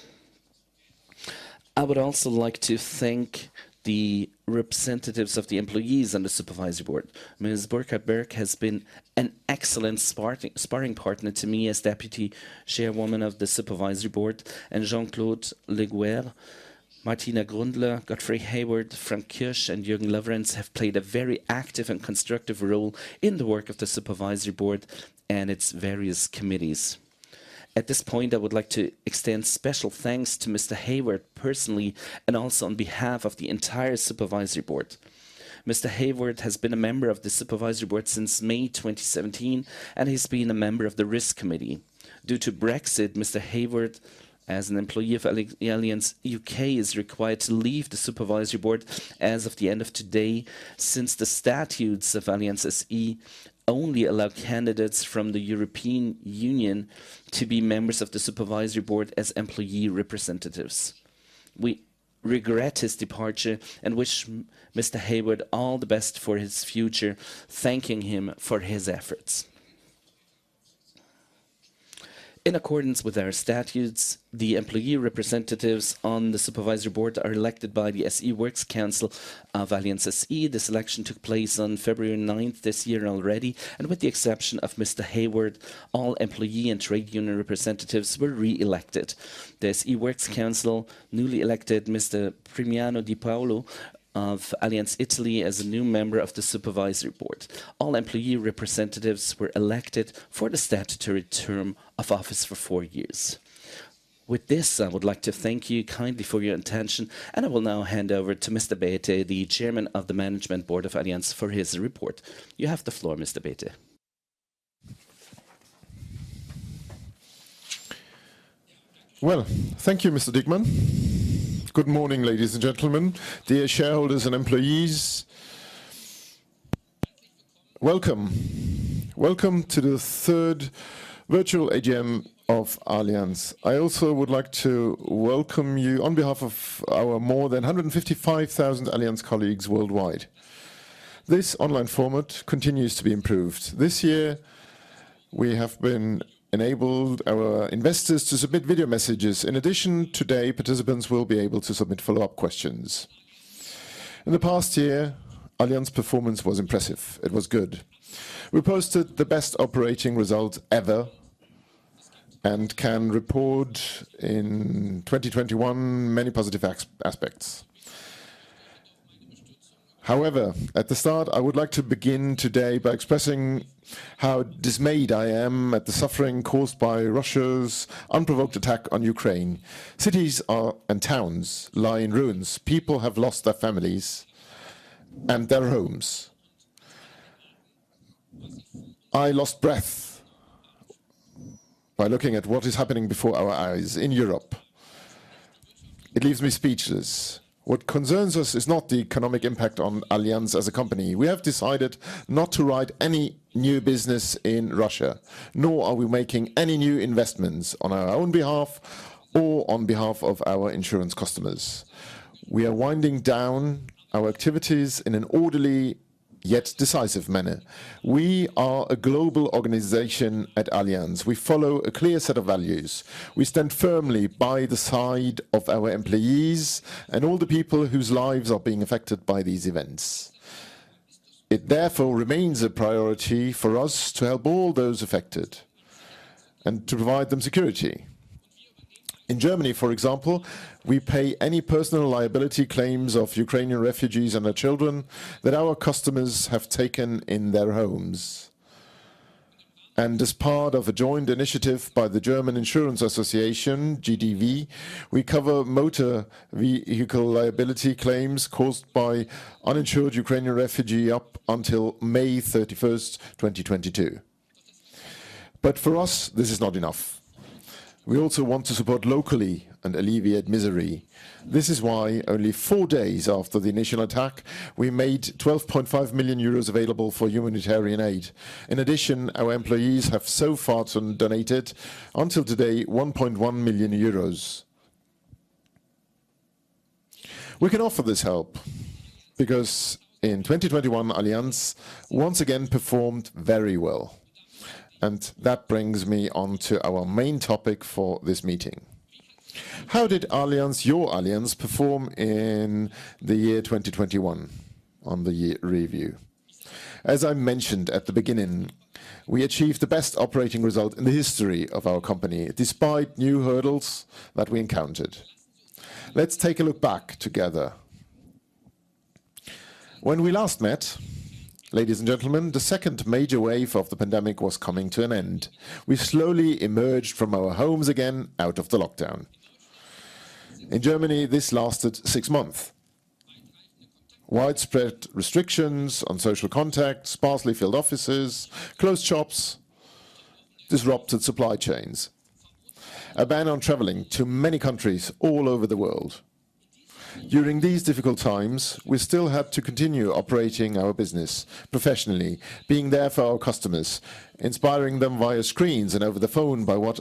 [SPEAKER 1] I would also like to thank the representatives of the employees on the Supervisory Board. Ms. Burkhardt-Berg has been an excellent sparring partner to me as Deputy Chairwoman of the Supervisory Board. Jean-Claude Le Goaër, Martina Grundler, Godfrey Hayward, Frank Kirsch, and Jürgen Lawrenz have played a very active and constructive role in the work of the Supervisory Board and its various committees. At this point, I would like to extend special thanks to Mr. Hayward personally and also on behalf of the entire Supervisory Board. Mr. Hayward has been a member of the Supervisory Board since May 2017, and he's been a member of the Risk Committee. Due to Brexit, Mr. Hayward, as an employee of Allianz U.K., is required to leave the Supervisory Board as of the end of today, since the statutes of Allianz SE only allow candidates from the European Union to be members of the Supervisory Board as employee representatives. We regret his departure and wish Mr. Hayward all the best for his future, thanking him for his efforts. In accordance with our statutes, the employee representatives on the Supervisory Board are elected by the SE Works Council of Allianz SE. This election took place on February ninth this year already, and with the exception of Mr. Hayward, all employee and trade union representatives were re-elected. The SE Works Council newly elected Mr. Primiano Di Paolo of Allianz Italy as a new member of the Supervisory Board. All employee representatives were elected for the statutory term of office for four years. With this, I would like to thank you kindly for your attention, and I will now hand over to Mr. Bäte, the Chairman of the Management Board of Allianz for his report. You have the floor, Mr. Bäte.
[SPEAKER 5] Well, thank you, Mr. Diekmann. Good morning, ladies and gentlemen, Dear Shareholders and employees. Welcome. Welcome to the third virtual AGM of Allianz. I also would like to welcome you on behalf of our more than 155,000 Allianz colleagues worldwide. This online format continues to be improved. This year, we have enabled our investors to submit video messages. In addition, today, participants will be able to submit follow-up questions. In the past year, Allianz performance was impressive. It was good. We posted the best operating results ever and can report in 2021 many positive aspects. However, at the start, I would like to begin today by expressing how dismayed I am at the suffering caused by Russia's unprovoked attack on Ukraine. Cities and towns lie in ruins. People have lost their families and their homes. I lost breath by looking at what is happening before our eyes in Europe. It leaves me speechless. What concerns us is not the economic impact on Allianz as a company. We have decided not to write any new business in Russia, nor are we making any new investments on our own behalf or on behalf of our insurance customers. We are winding down our activities in an orderly yet decisive manner. We are a global organization at Allianz. We follow a clear set of values. We stand firmly by the side of our employees and all the people whose lives are being affected by these events. It therefore remains a priority for us to help all those affected and to provide them security. In Germany, for example, we pay any personal liability claims of Ukrainian refugees and their children that our customers have taken in their homes. As part of a joint initiative by the German Insurance Association, GDV, we cover motor vehicle liability claims caused by uninsured Ukrainian refugee up until May 31st, 2022. For us, this is not enough. We also want to support locally and alleviate misery. This is why only four days after the initial attack, we made 12.5 million euros available for humanitarian aid. In addition, our employees have so far donated until today 1.1 million euros. We can offer this help because in 2021, Allianz once again performed very well. That brings me on to our main topic for this meeting. How did Allianz, your Allianz, perform in the year 2021 on the year review? As I mentioned at the beginning, we achieved the best operating result in the history of our company, despite new hurdles that we encountered. Let's take a look back together. When we last met, ladies and gentlemen, the second major wave of the pandemic was coming to an end. We slowly emerged from our homes again out of the lockdown. In Germany, this lasted six months. Widespread restrictions on social contacts, sparsely filled offices, closed shops disrupted supply chains. A ban on traveling to many countries all over the world. During these difficult times, we still have to continue operating our business professionally, being there for our customers, inspiring them via screens and over the phone by what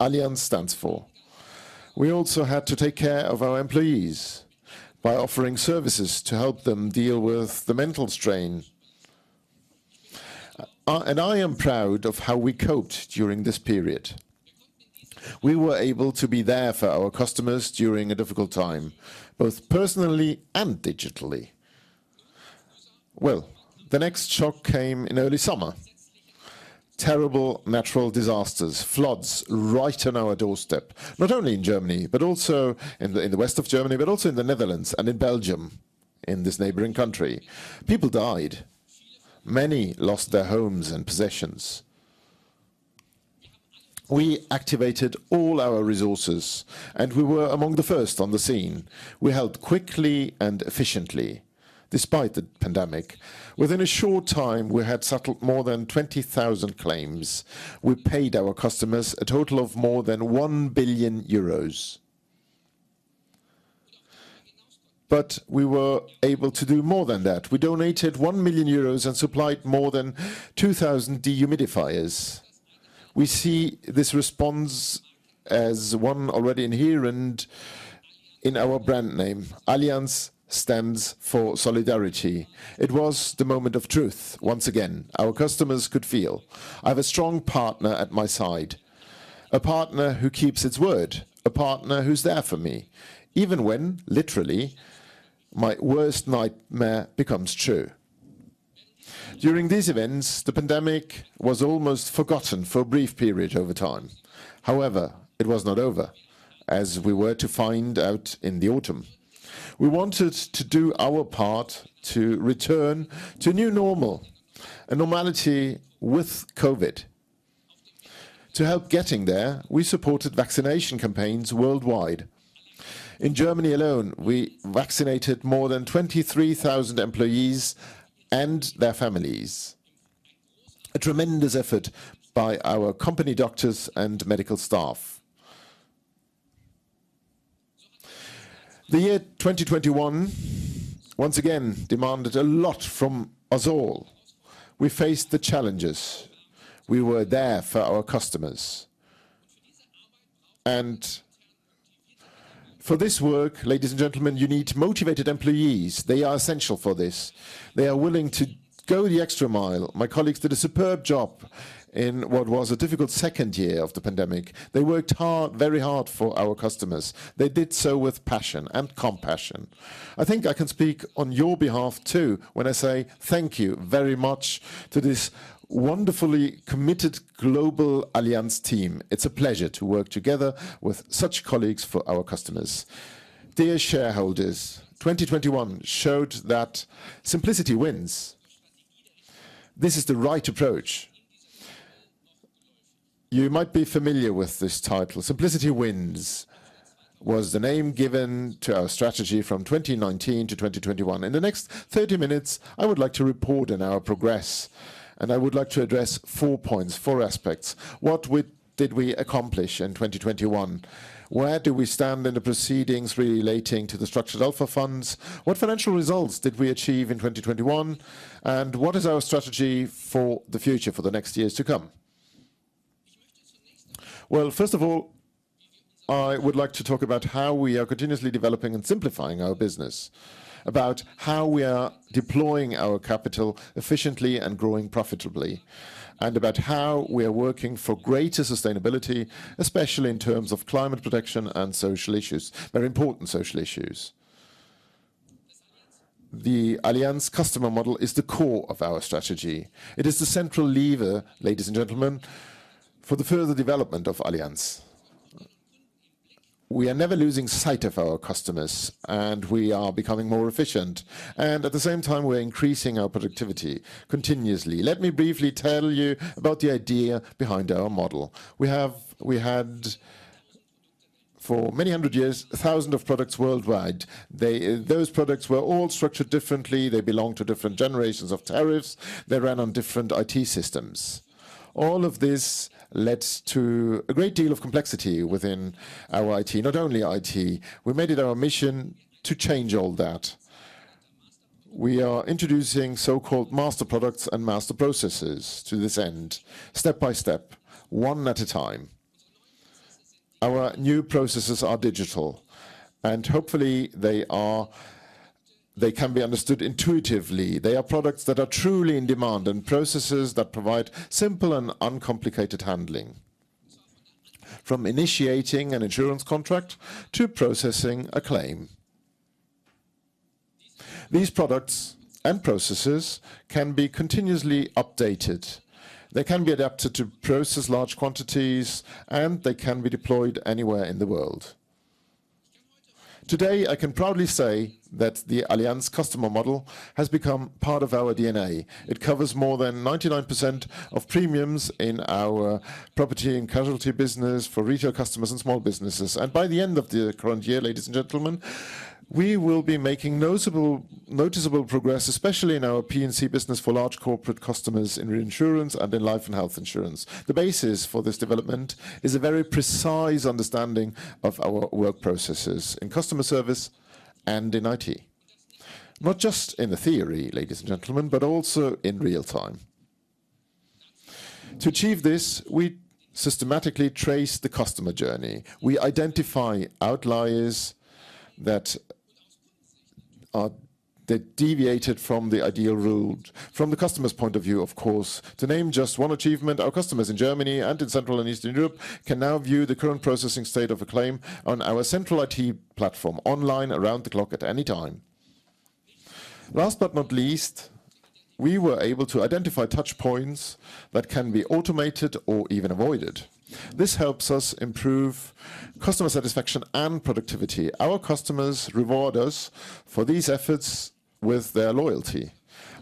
[SPEAKER 5] Allianz stands for. We also had to take care of our employees by offering services to help them deal with the mental strain. I am proud of how we coped during this period. We were able to be there for our customers during a difficult time, both personally and digitally. Well, the next shock came in early summer. Terrible natural disasters, floods right on our doorstep, not only in Germany, but also in the west of Germany, but also in the Netherlands and in Belgium, in this neighboring country. People died. Many lost their homes and possessions. We activated all our resources, and we were among the first on the scene. We helped quickly and efficiently despite the pandemic. Within a short time, we had settled more than 20,000 claims. We paid our customers a total of more than 1 billion euros. We were able to do more than that. We donated 1 million euros and supplied more than 2,000 dehumidifiers. We see this response as one already inherent in our brand name. Allianz stands for solidarity. It was the moment of truth once again. Our customers could feel, "I have a strong partner at my side, a partner who keeps its word, a partner who's there for me, even when literally my worst nightmare becomes true." During these events, the pandemic was almost forgotten for a brief period over time. However, it was not over, as we were to find out in the autumn. We wanted to do our part to return to a new normal, a normality with COVID. To help getting there, we supported vaccination campaigns worldwide. In Germany alone, we vaccinated more than 23,000 employees and their families. A tremendous effort by our company doctors and medical staff. The year 2021 once again demanded a lot from us all. We faced the challenges. We were there for our customers. For this work, ladies and gentlemen, you need motivated employees. They are essential for this. They are willing to go the extra mile. My colleagues did a superb job in what was a difficult second year of the pandemic. They worked hard, very hard for our customers. They did so with passion and compassion. I think I can speak on your behalf too when I say thank you very much to this wonderfully committed global Allianz team. It's a pleasure to work together with such colleagues for our customers. Dear Shareholders, 2021 showed that Simplicity Wins. This is the right approach. You might be familiar with this title. Simplicity Wins was the name given to our strategy from 2019 to 2021. In the next 30 minutes, I would like to report on our progress, and I would like to address four points, four aspects. What did we accomplish in 2021? Where do we stand in the proceedings relating to the Structured Alpha Funds? What financial results did we achieve in 2021? What is our strategy for the future, for the next years to come? Well, first of all, I would like to talk about how we are continuously developing and simplifying our business, about how we are deploying our capital efficiently and growing profitably, and about how we are working for greater sustainability, especially in terms of climate protection and social issues, very important social issues. The Allianz customer model is the core of our strategy. It is the central lever, ladies and gentlemen, for the further development of Allianz. We are never losing sight of our customers, and we are becoming more efficient. At the same time, we're increasing our productivity continuously. Let me briefly tell you about the idea behind our model. We had for many hundred years thousands of products worldwide. They, those products were all structured differently. They belong to different generations of tariffs. They ran on different IT systems. All of this led to a great deal of complexity within our IT, not only IT. We made it our mission to change all that. We are introducing so-called master products and master processes to this end, step by step, one at a time. Our new processes are digital, and hopefully they can be understood intuitively. They are products that are truly in demand and processes that provide simple and uncomplicated handling, from initiating an insurance contract to processing a claim. These products and processes can be continuously updated. They can be adapted to process large quantities, and they can be deployed anywhere in the world. Today, I can proudly say that the Allianz customer model has become part of our DNA. It covers more than 99% of premiums in our property and casualty business for retail customers and small businesses. By the end of the current year, ladies and gentlemen, we will be making noticeable progress, especially in our P&C business for large corporate customers in reinsurance and in life and health insurance. The basis for this development is a very precise understanding of our work processes in customer service and in IT. Not just in the theory, ladies and gentlemen, but also in real time. To achieve this, we systematically trace the customer journey. We identify outliers that deviated from the ideal route from the customer's point of view, of course. To name just one achievement, our customers in Germany and in Central and Eastern Europe can now view the current processing state of a claim on our central IT platform online around the clock at any time. Last but not least, we were able to identify touch points that can be automated or even avoided. This helps us improve customer satisfaction and productivity. Our customers reward us for these efforts with their loyalty.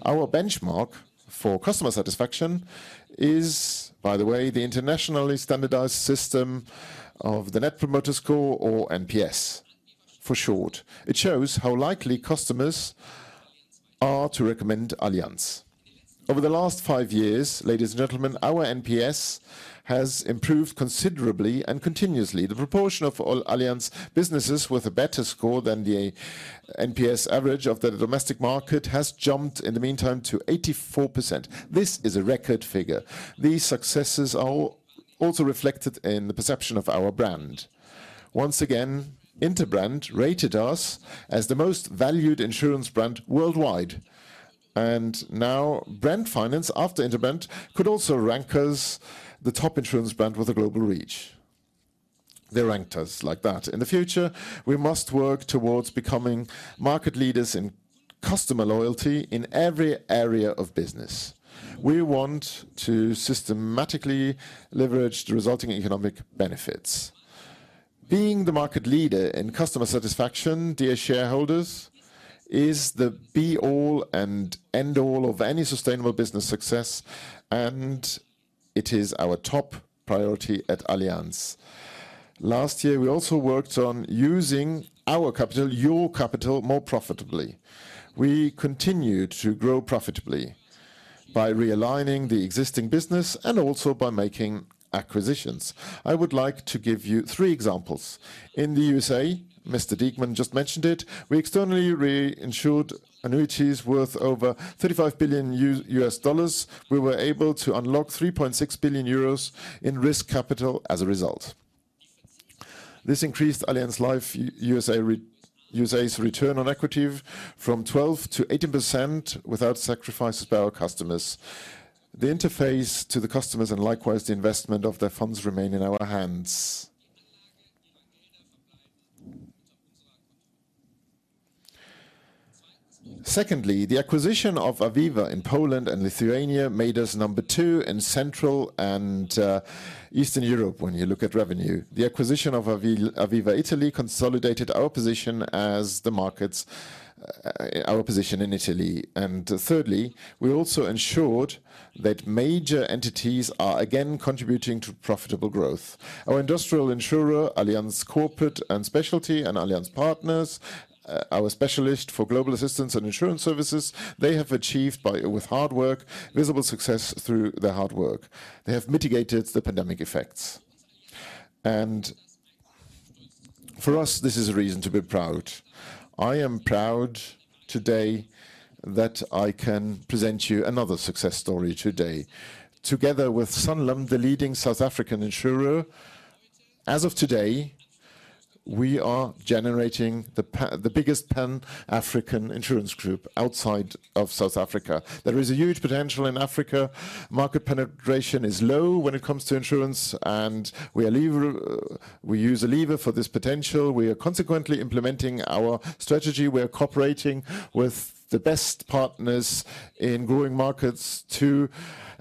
[SPEAKER 5] Our benchmark for customer satisfaction is, by the way, the internationally standardized system of the Net Promoter Score or NPS for short. It shows how likely customers are to recommend Allianz. Over the last five years, ladies and gentlemen, our NPS has improved considerably and continuously. The proportion of all Allianz businesses with a better score than the NPS average of the domestic market has jumped in the meantime to 84%. This is a record figure. These successes are also reflected in the perception of our brand. Once again, Interbrand rated us as the most valued insurance brand worldwide. Now Brand Finance, after Interbrand, could also rank us the top insurance brand with a global reach. They ranked us like that. In the future, we must work towards becoming market leaders in customer loyalty in every area of business. We want to systematically leverage the resulting economic benefits. Being the market leader in customer satisfaction, Dear Shareholders, is the be-all and end-all of any sustainable business success, and it is our top priority at Allianz. Last year, we also worked on using our capital, your capital, more profitably. We continued to grow profitably by realigning the existing business and also by making acquisitions. I would like to give you three examples. In the USA, Mr. Diekmann just mentioned it, we externally reinsured annuities worth over $35 billion. We were able to unlock 3.6 billion euros in risk capital as a result. This increased Allianz Life USA's return on equity from 12%-18% without sacrifices by our customers. The interface to the customers and likewise the investment of their funds remain in our hands. Secondly, the acquisition of Aviva in Poland and Lithuania made us number two in Central and Eastern Europe when you look at revenue. The acquisition of Aviva Italy consolidated our position as the market's our position in Italy. Thirdly, we also ensured that major entities are again contributing to profitable growth. Our industrial insurer, Allianz Global Corporate & Specialty and Allianz Partners, our specialist for global assistance and insurance services, they have achieved with hard work, visible success through their hard work. They have mitigated the pandemic effects. For us, this is a reason to be proud. I am proud today that I can present you another success story today. Together with Sanlam, the leading South African insurer, as of today, we are generating the biggest Pan-African insurance group outside of South Africa. There is a huge potential in Africa. Market penetration is low when it comes to insurance, and we use a lever for this potential. We are consequently implementing our strategy. We are cooperating with the best partners in growing markets to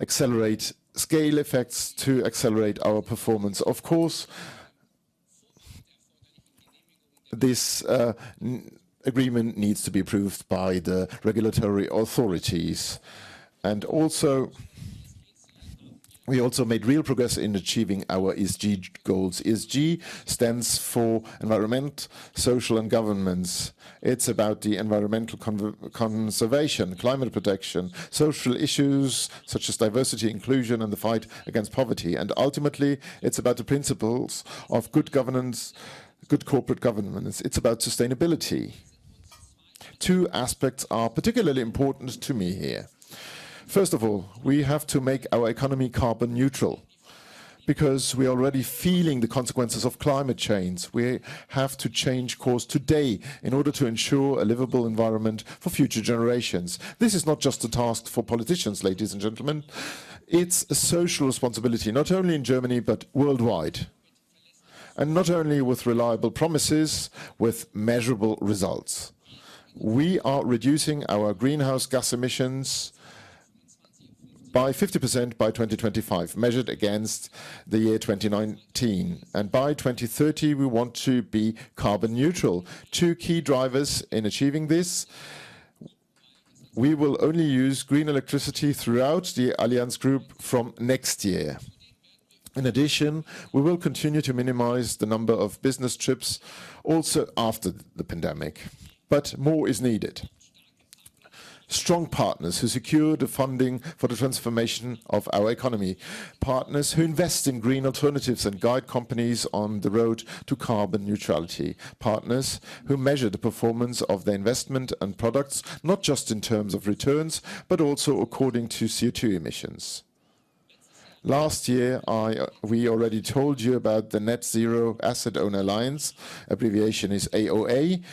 [SPEAKER 5] accelerate scale effects, to accelerate our performance. Of course, this agreement needs to be approved by the regulatory authorities. We also made real progress in achieving our ESG goals. ESG stands for environment, social, and governance. It's about the environmental conservation, climate protection, social issues such as diversity, inclusion, and the fight against poverty. Ultimately, it's about the principles of good governance, good corporate governance. It's about sustainability. Two aspects are particularly important to me here. First of all, we have to make our economy carbon neutral because we are already feeling the consequences of climate change. We have to change course today in order to ensure a livable environment for future generations. This is not just a task for politicians, ladies and gentlemen. It's a social responsibility, not only in Germany, but worldwide. Not only with reliable promises, with measurable results. We are reducing our greenhouse gas emissions by 50% by 2025, measured against the year 2019. By 2030, we want to be carbon neutral. Two key drivers in achieving this, we will only use green electricity throughout the Allianz Group from next year. In addition, we will continue to minimize the number of business trips also after the pandemic. More is needed. Strong partners who secure the funding for the transformation of our economy, partners who invest in green alternatives and guide companies on the road to carbon neutrality, partners who measure the performance of their investment and products, not just in terms of returns, but also according to CO2 emissions. Last year, we already told you about the Net-Zero Asset Owner Alliance, abbreviation is AOA.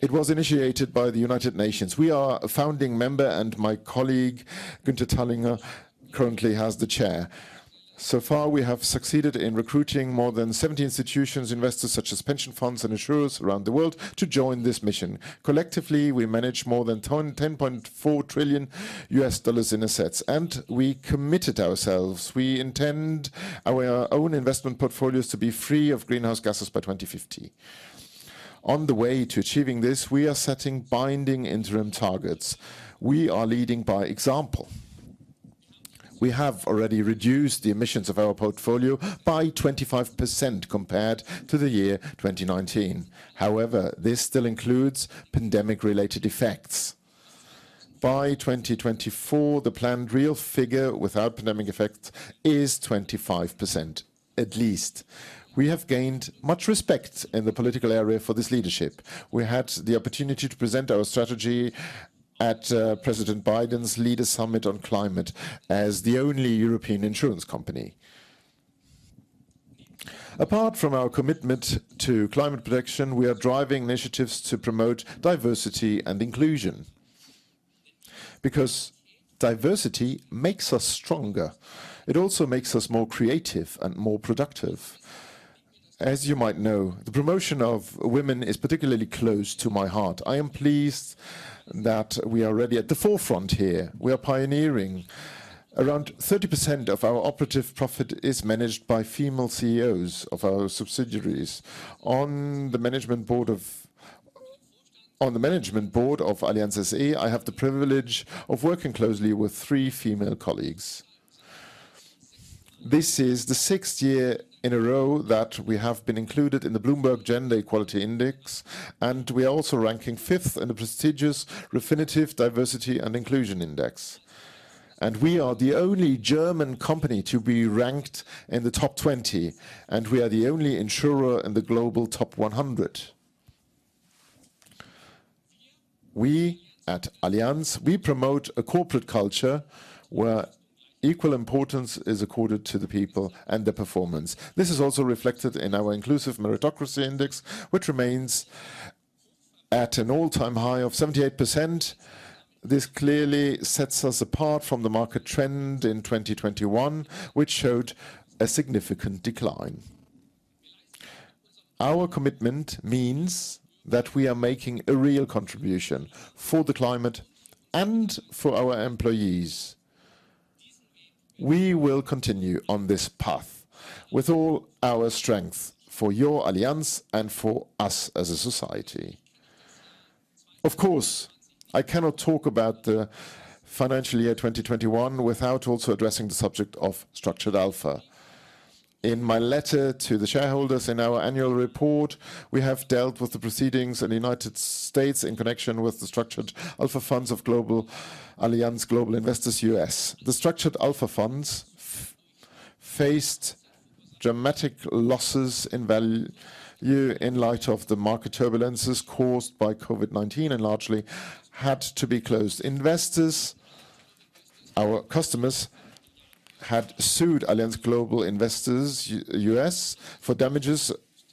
[SPEAKER 5] It was initiated by the United Nations. We are a founding member, and my colleague, Günther Thallinger, currently has the chair. So far, we have succeeded in recruiting more than 70 institutions, investors such as pension funds and insurers around the world to join this mission. Collectively, we manage more than $10.4 trillion in assets, and we committed ourselves. We intend our own investment portfolios to be free of greenhouse gases by 2050. On the way to achieving this, we are setting binding interim targets. We are leading by example. We have already reduced the emissions of our portfolio by 25% compared to the year 2019. However, this still includes pandemic-related effects. By 2024, the planned real figure without pandemic effect is 25%, at least. We have gained much respect in the political area for this leadership. We had the opportunity to present our strategy at President Biden's Leadership Summit on Climate as the only European insurance company. Apart from our commitment to climate protection, we are driving initiatives to promote diversity and inclusion. Because diversity makes us stronger. It also makes us more creative and more productive. As you might know, the promotion of women is particularly close to my heart. I am pleased that we are really at the forefront here. We are pioneering. Around 30% of our operative profit is managed by female CEOs of our subsidiaries. On the Management Board of Allianz SE, I have the privilege of working closely with three female colleagues. This is the sixth year in a row that we have been included in the Bloomberg Gender-Equality Index, and we are also ranking fifth in the prestigious Refinitiv Diversity and Inclusion Index. We are the only German company to be ranked in the top 20, and we are the only insurer in the global top 100. We at Allianz, we promote a corporate culture where equal importance is accorded to the people and the performance. This is also reflected in our Inclusive Meritocracy Index, which remains at an all-time high of 78%. This clearly sets us apart from the market trend in 2021, which showed a significant decline. Our commitment means that we are making a real contribution for the climate and for our employees. We will continue on this path with all our strength for your Allianz and for us as a society. Of course, I cannot talk about the financial year 2021 without also addressing the subject of Structured Alpha. In my letter to the shareholders in our annual report, we have dealt with the proceedings in the United States in connection with the Structured Alpha Funds of Allianz Global Investors U.S. The Structured Alpha Funds faced dramatic losses in value in light of the market turbulences caused by COVID-19 and largely had to be closed. Investors, our customers, had sued Allianz Global Investors U.S. for damages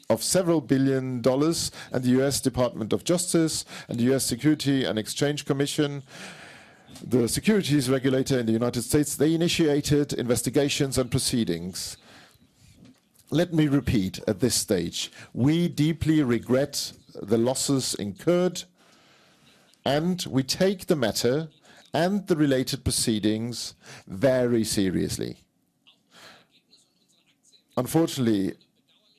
[SPEAKER 5] of several billion dollars, and the U.S. Department of Justice and the U.S. Securities and Exchange Commission, the securities regulator in the United States, they initiated investigations and proceedings. Let me repeat at this stage. We deeply regret the losses incurred, and we take the matter and the related proceedings very seriously. Unfortunately,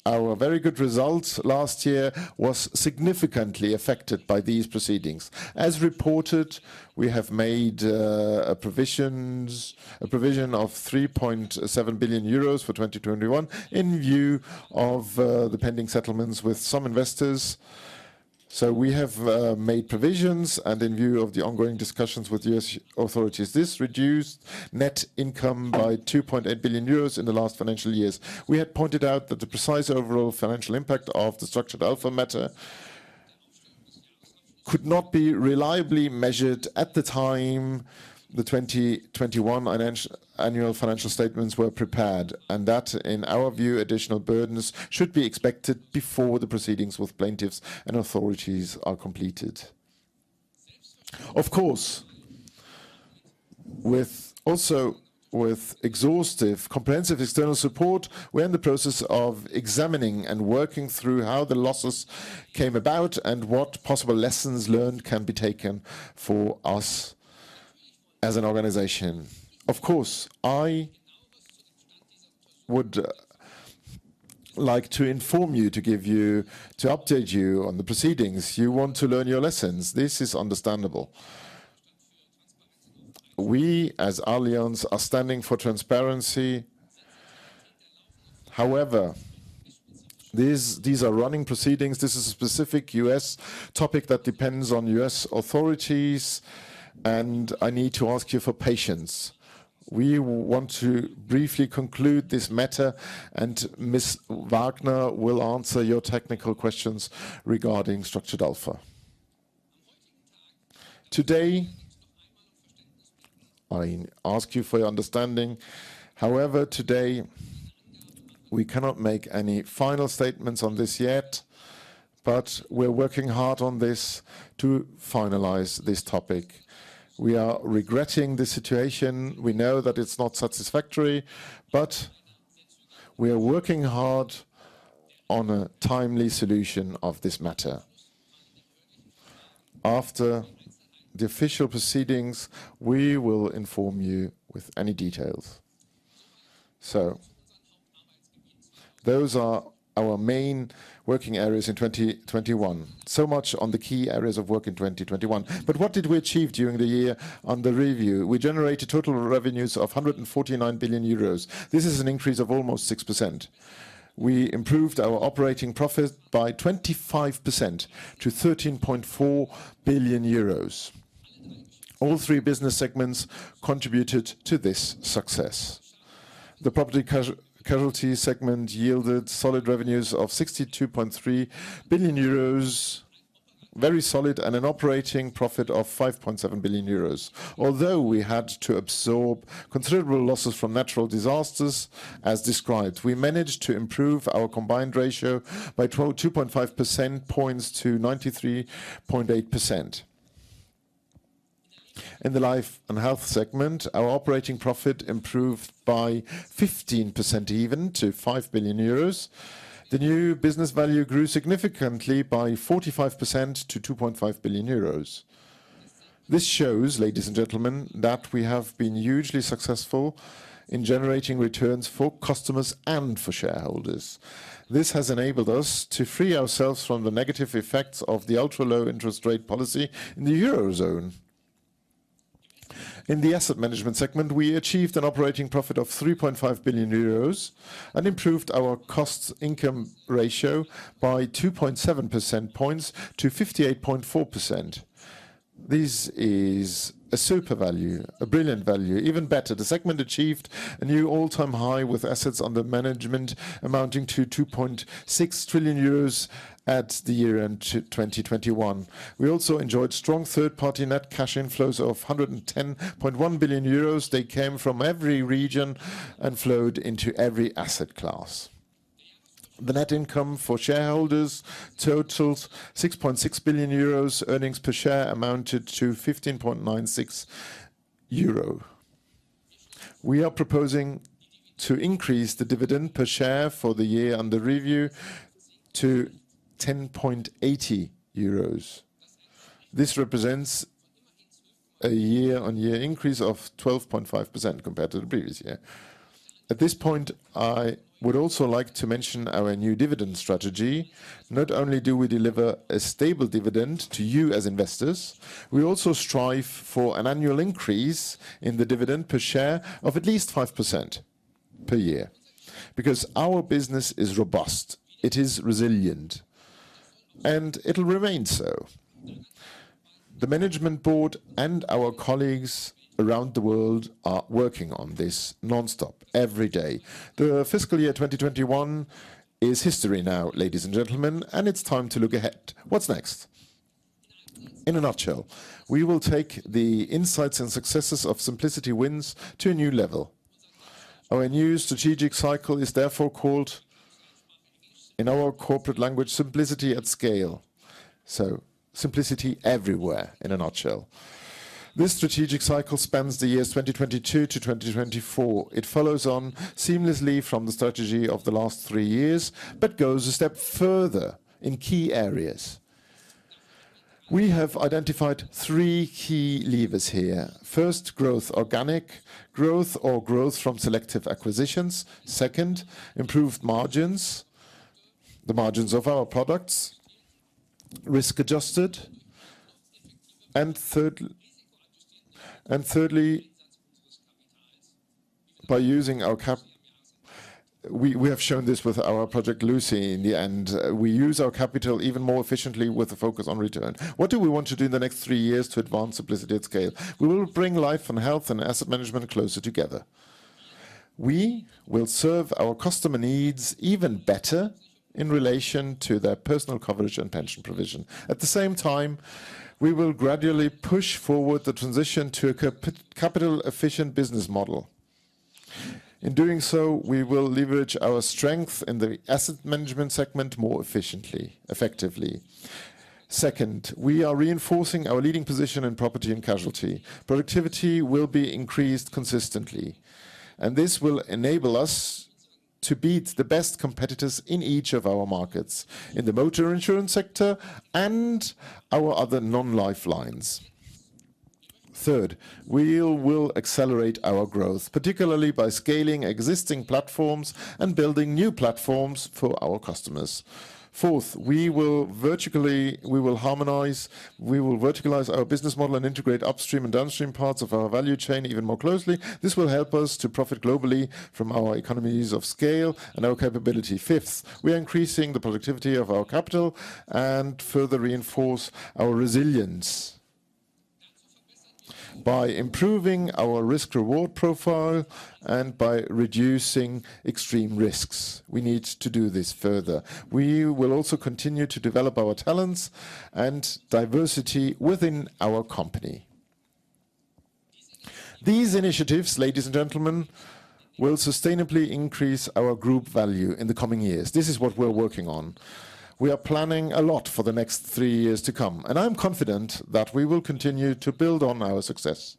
[SPEAKER 5] our very good results last year was significantly affected by these proceedings. As reported, we have made a provision of 3.7 billion euros for 2021 in view of the pending settlements with some investors. We have made provisions and in view of the ongoing discussions with U.S. authorities. This reduced net income by 2.8 billion euros in the last financial years. We had pointed out that the precise overall financial impact of the Structured Alpha matter could not be reliably measured at the time the 2021 annual financial statements were prepared, and that, in our view, additional burdens should be expected before the proceedings with plaintiffs and authorities are completed. Of course, with exhaustive comprehensive external support, we're in the process of examining and working through how the losses came about and what possible lessons learned can be taken for us as an organization. Of course, I would like to inform you, to give you, to update you on the proceedings. You want to learn your lessons. This is understandable. We as Allianz are standing for transparency. However, these are running proceedings. This is a specific U.S. topic that depends on U.S. authorities, and I need to ask you for patience. We want to briefly conclude this matter, and Miss Wagner will answer your technical questions regarding Structured Alpha. Today, I ask you for your understanding. However, today, we cannot make any final statements on this yet, but we're working hard on this to finalize this topic. We are regretting the situation. We know that it's not satisfactory, but we are working hard on a timely solution of this matter. After the official proceedings, we will inform you with any details. Those are our main working areas in 2021. Much on the key areas of work in 2021. What did we achieve during the year on the review? We generated total revenues of 149 billion euros. This is an increase of almost 6%. We improved our operating profit by 25% to 13.4 billion euros. All three business segments contributed to this success. The Property-Casualty segment yielded solid revenues of 62.3 billion euros. Very solid and an operating profit of 5.7 billion euros. Although we had to absorb considerable losses from natural disasters as described, we managed to improve our combined ratio by 2.5 percentage points to 93.8%. In the life and health segment, our operating profit improved by 15% even to 5 billion euros. The new business value grew significantly by 45% to 2.5 billion euros. This shows, ladies and gentlemen, that we have been hugely successful in generating returns for customers and for shareholders. This has enabled us to free ourselves from the negative effects of the ultra-low interest rate policy in the Eurozone. In the Asset Management segment, we achieved an operating profit of 3.5 billion euros and improved our cost-income ratio by 2.7 percentage points to 58.4%. This is a super value, a brilliant value, even better. The segment achieved a new all-time high with assets under management amounting to 2.6 trillion euros at year-end 2021. We also enjoyed strong third-party net cash inflows of 110.1 billion euros. They came from every region and flowed into every asset class. The net income for shareholders totals 6.6 billion euros. Earnings per share amounted to 15.96 euro. We are proposing to increase the dividend per share for the year under review to 10.80 euros. This represents a year-on-year increase of 12.5% compared to the previous year. At this point, I would also like to mention our new dividend strategy. Not only do we deliver a stable dividend to you as investors, we also strive for an annual increase in the dividend per share of at least 5% per year. Because our business is robust, it is resilient, and it'll remain so. The Management Board and our colleagues around the world are working on this non-stop every day. The fiscal year 2021 is history now, ladies and gentlemen, and it's time to look ahead. What's next? In a nutshell, we will take the insights and successes of Simplicity Wins to a new level. Our new strategic cycle is therefore called, in our corporate language, Simplicity at Scale. Simplicity everywhere in a nutshell. This strategic cycle spans the years 2022 to 2024. It follows on seamlessly from the strategy of the last three years, but goes a step further in key areas. We have identified three key levers here. First, growth. Organic growth or growth from selective acquisitions. Second, improved margins. The margins of our products, risk-adjusted. And thirdly, by using our capital even more efficiently with a focus on return. We have shown this with our Project Lucy in the end. What do we want to do in the next three years to advance Simplicity at Scale? We will bring life and health and Asset Management closer together. We will serve our customer needs even better in relation to their personal coverage and pension provision. At the same time, we will gradually push forward the transition to a capital efficient business model. In doing so, we will leverage our strength in the Asset Management segment more efficiently, effectively. Second, we are reinforcing our leading position in property and casualty. Productivity will be increased consistently, and this will enable us to beat the best competitors in each of our markets, in the motor insurance sector and our other non-life lines. Third, we will accelerate our growth, particularly by scaling existing platforms and building new platforms for our customers. Fourth, we will verticalize our business model and integrate upstream and downstream parts of our value chain even more closely. This will help us to profit globally from our economies of scale and our capability. Fifth, we are increasing the productivity of our capital and further reinforce our resilience by improving our risk-reward profile and by reducing extreme risks. We need to do this further. We will also continue to develop our talents and diversity within our company. These initiatives, ladies and gentlemen, will sustainably increase our group value in the coming years. This is what we're working on. We are planning a lot for the next three years to come, and I'm confident that we will continue to build on our success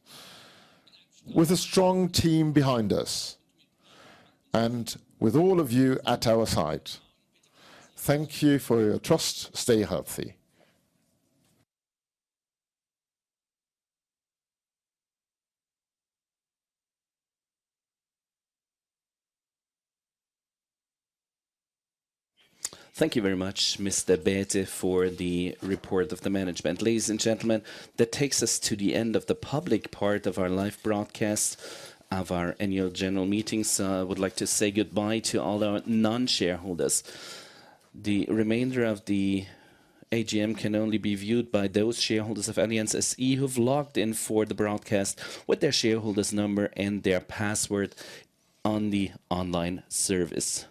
[SPEAKER 5] with a strong team behind us and with all of you at our side. Thank you for your trust. Stay healthy.
[SPEAKER 1] Thank you very much, Mr. Bäte, for the report of the management. Ladies and gentlemen, that takes us to the end of the public part of our live broadcast of our Annual General Meetings. I would like to say goodbye to all our non-shareholders. The remainder of the AGM can only be viewed by those shareholders of Allianz SE who've logged in for the broadcast with their shareholders number and their password on the online service.